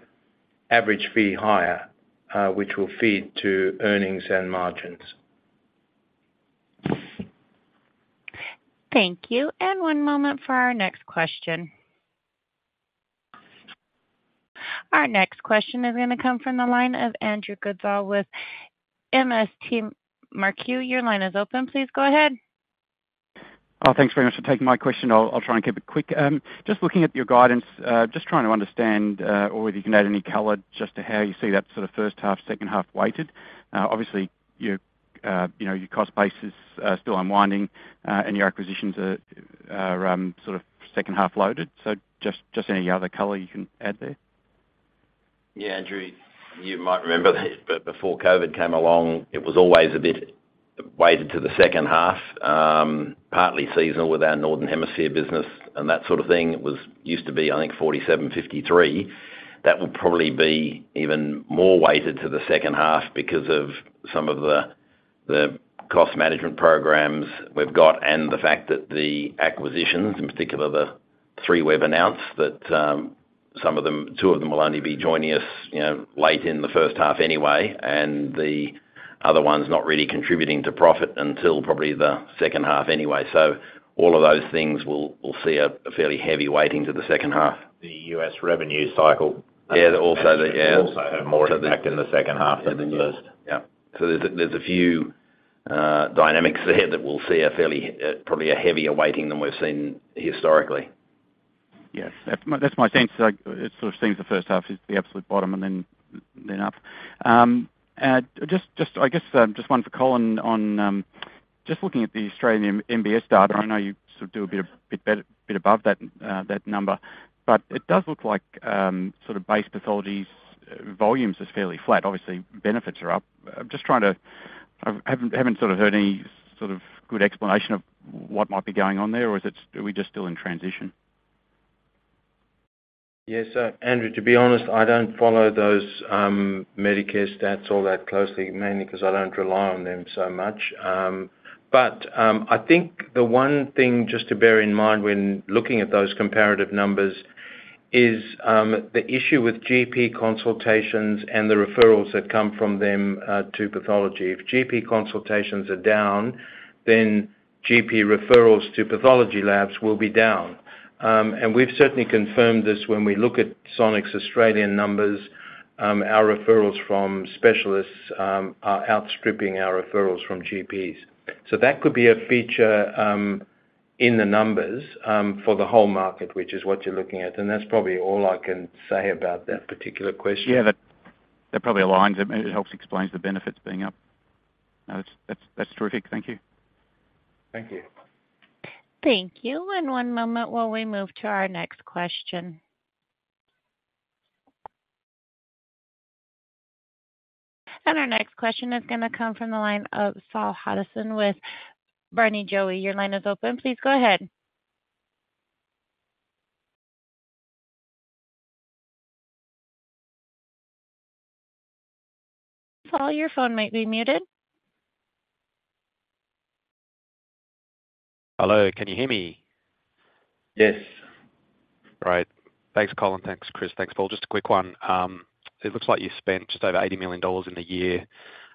S2: average fee higher, which will feed to earnings and margins.
S1: Thank you. One moment for our next question. Our next question is gonna come from the line of Andrew Goodsall with MST Marquee. Your line is open. Please go ahead.
S17: Oh, thanks very much for taking my question. I'll, I'll try and keep it quick. Just looking at your guidance, just trying to understand or whether you can add any color just to how you see that sort of first half, second half weighted. Obviously, your, you know, your cost base is still unwinding, and your acquisitions are, are, sort of second-half loaded. Just, just any other color you can add there?
S2: Yeah, Andrew, you might remember this, but before COVID came along, it was always a bit weighted to the second half, partly seasonal with our Northern Hemisphere business and that sort of thing. It was used to be, I think, 47, 53. That will probably be even more weighted to the second half because of some of the, the cost management programs we've got and the fact that the acquisitions, in particular, the three we've announced, that, two of them will only be joining us, you know, late in the first half anyway, and the other one's not really contributing to profit until probably the second half anyway. All of those things will, will see a, a fairly heavy weighting to the second half.
S4: The U.S. revenue cycle.
S2: Yeah, also the, yeah.
S4: Also have more impact in the second half than the first.
S2: Yeah. There's a, there's a few dynamics there that we'll see a fairly, probably a heavier weighting than we've seen historically.
S17: Yes, that's my, that's my sense, like, it sort of seems the first half is the absolute bottom and then, then up. Just, just I guess, just one for Colin on, just looking at the Australian MBS data, I know you sort of do a bit of, bit better, bit above that, that number. It does look like, sort of base pathology's volumes is fairly flat. Obviously, benefits are up. I'm just trying to. I haven't sort of heard any sort of good explanation of what might be going on there, or are we just still in transition?
S2: Yes. Andrew, to be honest, I don't follow those Medicare stats all that closely, mainly because I don't rely on them so much. I think the one thing just to bear in mind when looking at those comparative numbers is the issue with GP consultations and the referrals that come from them to pathology. If GP consultations are down, then GP referrals to pathology labs will be down. We've certainly confirmed this when we look at Sonic's Australian numbers, our referrals from specialists are outstripping our referrals from GPs. That could be a feature in the numbers for the whole market, which is what you're looking at. That's probably all I can say about that particular question.
S17: Yeah, that, that probably aligns. It, it helps explains the benefits being up. No, that's, that's, that's terrific. Thank you.
S2: Thank you.
S1: Thank you. One moment while we move to our next question. Our next question is gonna come from the line of Saul Hadassin with Barrenjoey. Your line is open. Please go ahead. Saul, your phone might be muted.
S18: Hello, can you hear me?
S2: Yes.
S18: Great. Thanks, Colin. Thanks, Chris. Thanks, Paul. Just a quick one. It looks like you spent just over 80 million dollars in the year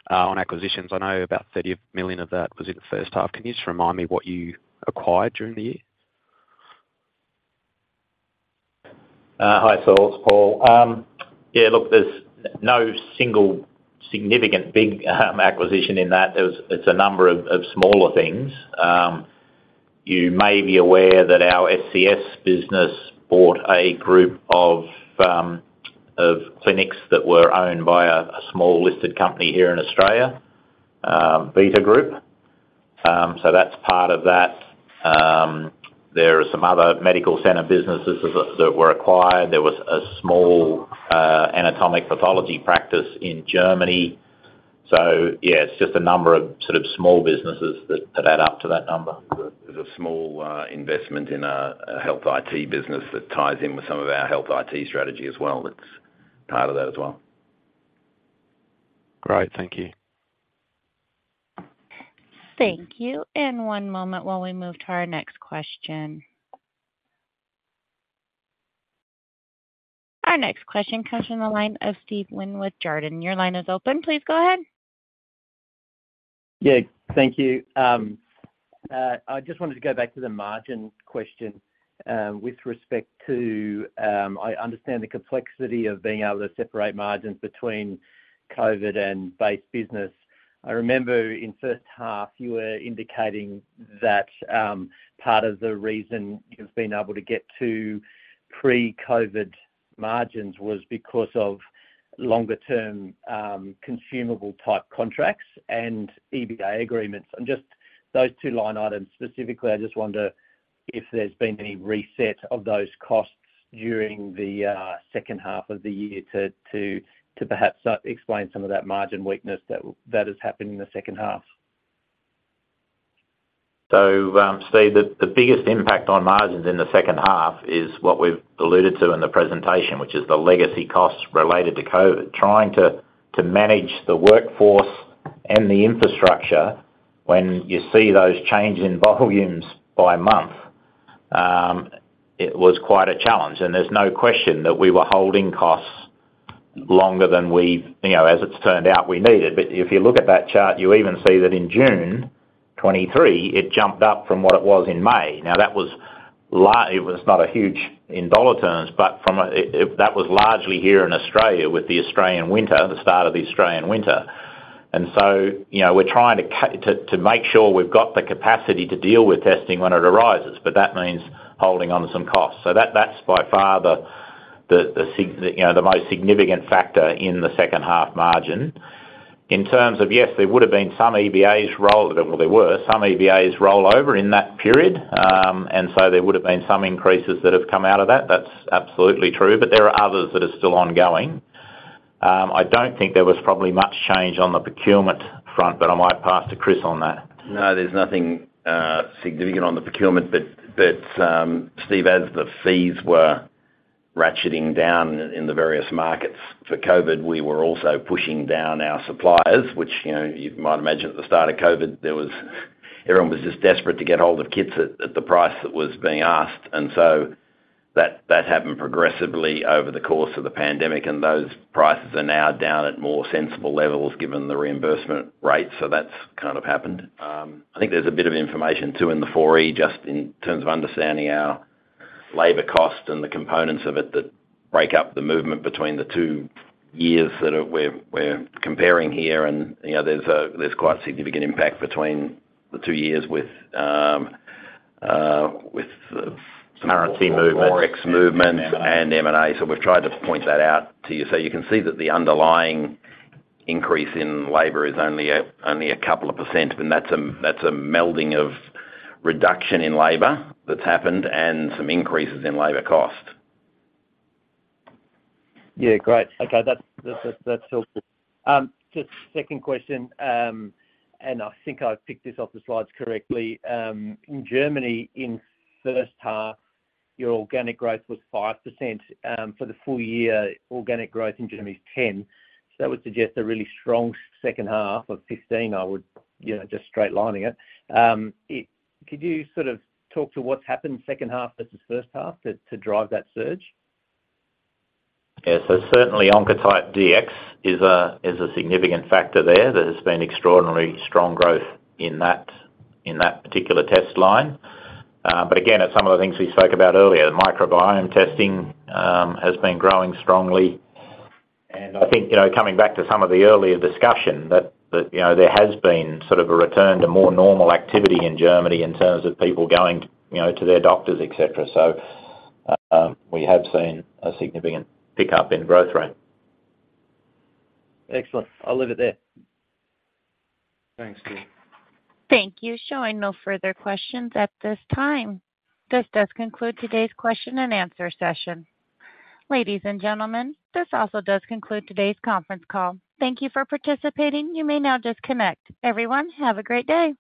S18: on acquisitions. I know about 30 million of that was in the first half. Can you just remind me what you acquired during the year?
S2: Hi, Saul, it's Paul. Yeah, look, there's no single significant big acquisition in that. There was. It's a number of smaller things. You may be aware that our SCS business bought a group of clinics that were owned by a small-listed company here in Australia, Vita Group. So that's part of that. There are some other medical center businesses that were acquired. There was a small anatomic pathology practice in Germany. Yeah, it's just a number of sort of small businesses that add up to that number.
S4: There's a small investment in a health IT business that ties in with some of our health IT strategy as well. That's part of that as well.
S18: Great. Thank you.
S1: Thank you. One moment while we move to our next question. Our next question comes from the line of Steven Wheen, Jarden. Your line is open. Please go ahead.
S5: Yeah, thank you. I just wanted to go back to the margin question, with respect to, I understand the complexity of being able to separate margins between COVID and base business. I remember in first half, you were indicating that, part of the reason you've been able to get to pre-COVID margins was because of longer-term, consumable type contracts and EBA agreements. Just those two line items, specifically, I just wonder if there's been any reset of those costs during the second half of the year to perhaps, explain some of that margin weakness that, that has happened in the second half?
S7: Steve, the biggest impact on margins in the second half is what we've alluded to in the presentation, which is the legacy costs related to COVID. Trying to manage the workforce and the infrastructure when you see those changes in volumes by month, it was quite a challenge. There's no question that we were holding costs longer than we've, you know, as it's turned out, we needed. If you look at that chart, you even see that in June 2023, it jumped up from what it was in May. That was not a huge in AUD terms, but that was largely here in Australia with the Australian winter, the start of the Australian winter. You know, we're trying to to, to make sure we've got the capacity to deal with testing when it arises, but that means holding on to some costs. That, that's by far the, the, you know, the most significant factor in the second half margin. In terms of, yes, there would've been some EBAs roll, well, there were some EBAs roll over in that period. And so there would've been some increases that have come out of that. That's absolutely true, but there are others that are still ongoing. I don't think there was probably much change on the procurement front, but I might pass to Chris on that.
S4: No, there's nothing significant on the procurement. But, Steve, as the fees were ratcheting down in the various markets for COVID, we were also pushing down our suppliers, which, you know, you might imagine at the start of COVID, there was, everyone was just desperate to get hold of kits at, at the price that was being asked. So that, that happened progressively over the course of the pandemic, and those prices are now down at more sensible levels, given the reimbursement rates. That's kind of happened. I think there's a bit of information, too, in the 4E, just in terms of understanding our labor costs and the components of it that break up the movement between the two years that are, we're, we're comparing here. You know, there's a, there's quite significant impact between the two years with some currency movement, FX movement, and M&A. We've tried to point that out to you. You can see that the underlying increase in labor is only a, only a 2%, and that's a, that's a melding of reduction in labor that's happened and some increases in labor cost.
S5: Yeah, great. Okay, that's, that's, that's helpful. Just second question, I think I've picked this off the slides correctly. In Germany, in first half, your organic growth was 5%. For the full year, organic growth in Germany is 10. That would suggest a really strong second half of 15, I would, you know, just straight lining it. Could you sort of talk to what's happened second half versus first half to, to drive that surge?
S4: Certainly, Oncotype DX is a, is a significant factor there. There has been extraordinarily strong growth in that, in that particular test line. But again, at some of the things we spoke about earlier, the microbiome testing, has been growing strongly. I think, you know, coming back to some of the earlier discussion, that, that, you know, there has been sort of a return to more normal activity in Germany in terms of people going, you know, to their doctors, et cetera. We have seen a significant pickup in growth rate.
S5: Excellent. I'll leave it there.
S7: Thanks, Steve.
S1: Thank you. Showing no further questions at this time. This does conclude today's question and answer session. Ladies and gentlemen, this also does conclude today's conference call. Thank you for participating. You may now disconnect. Everyone, have a great day.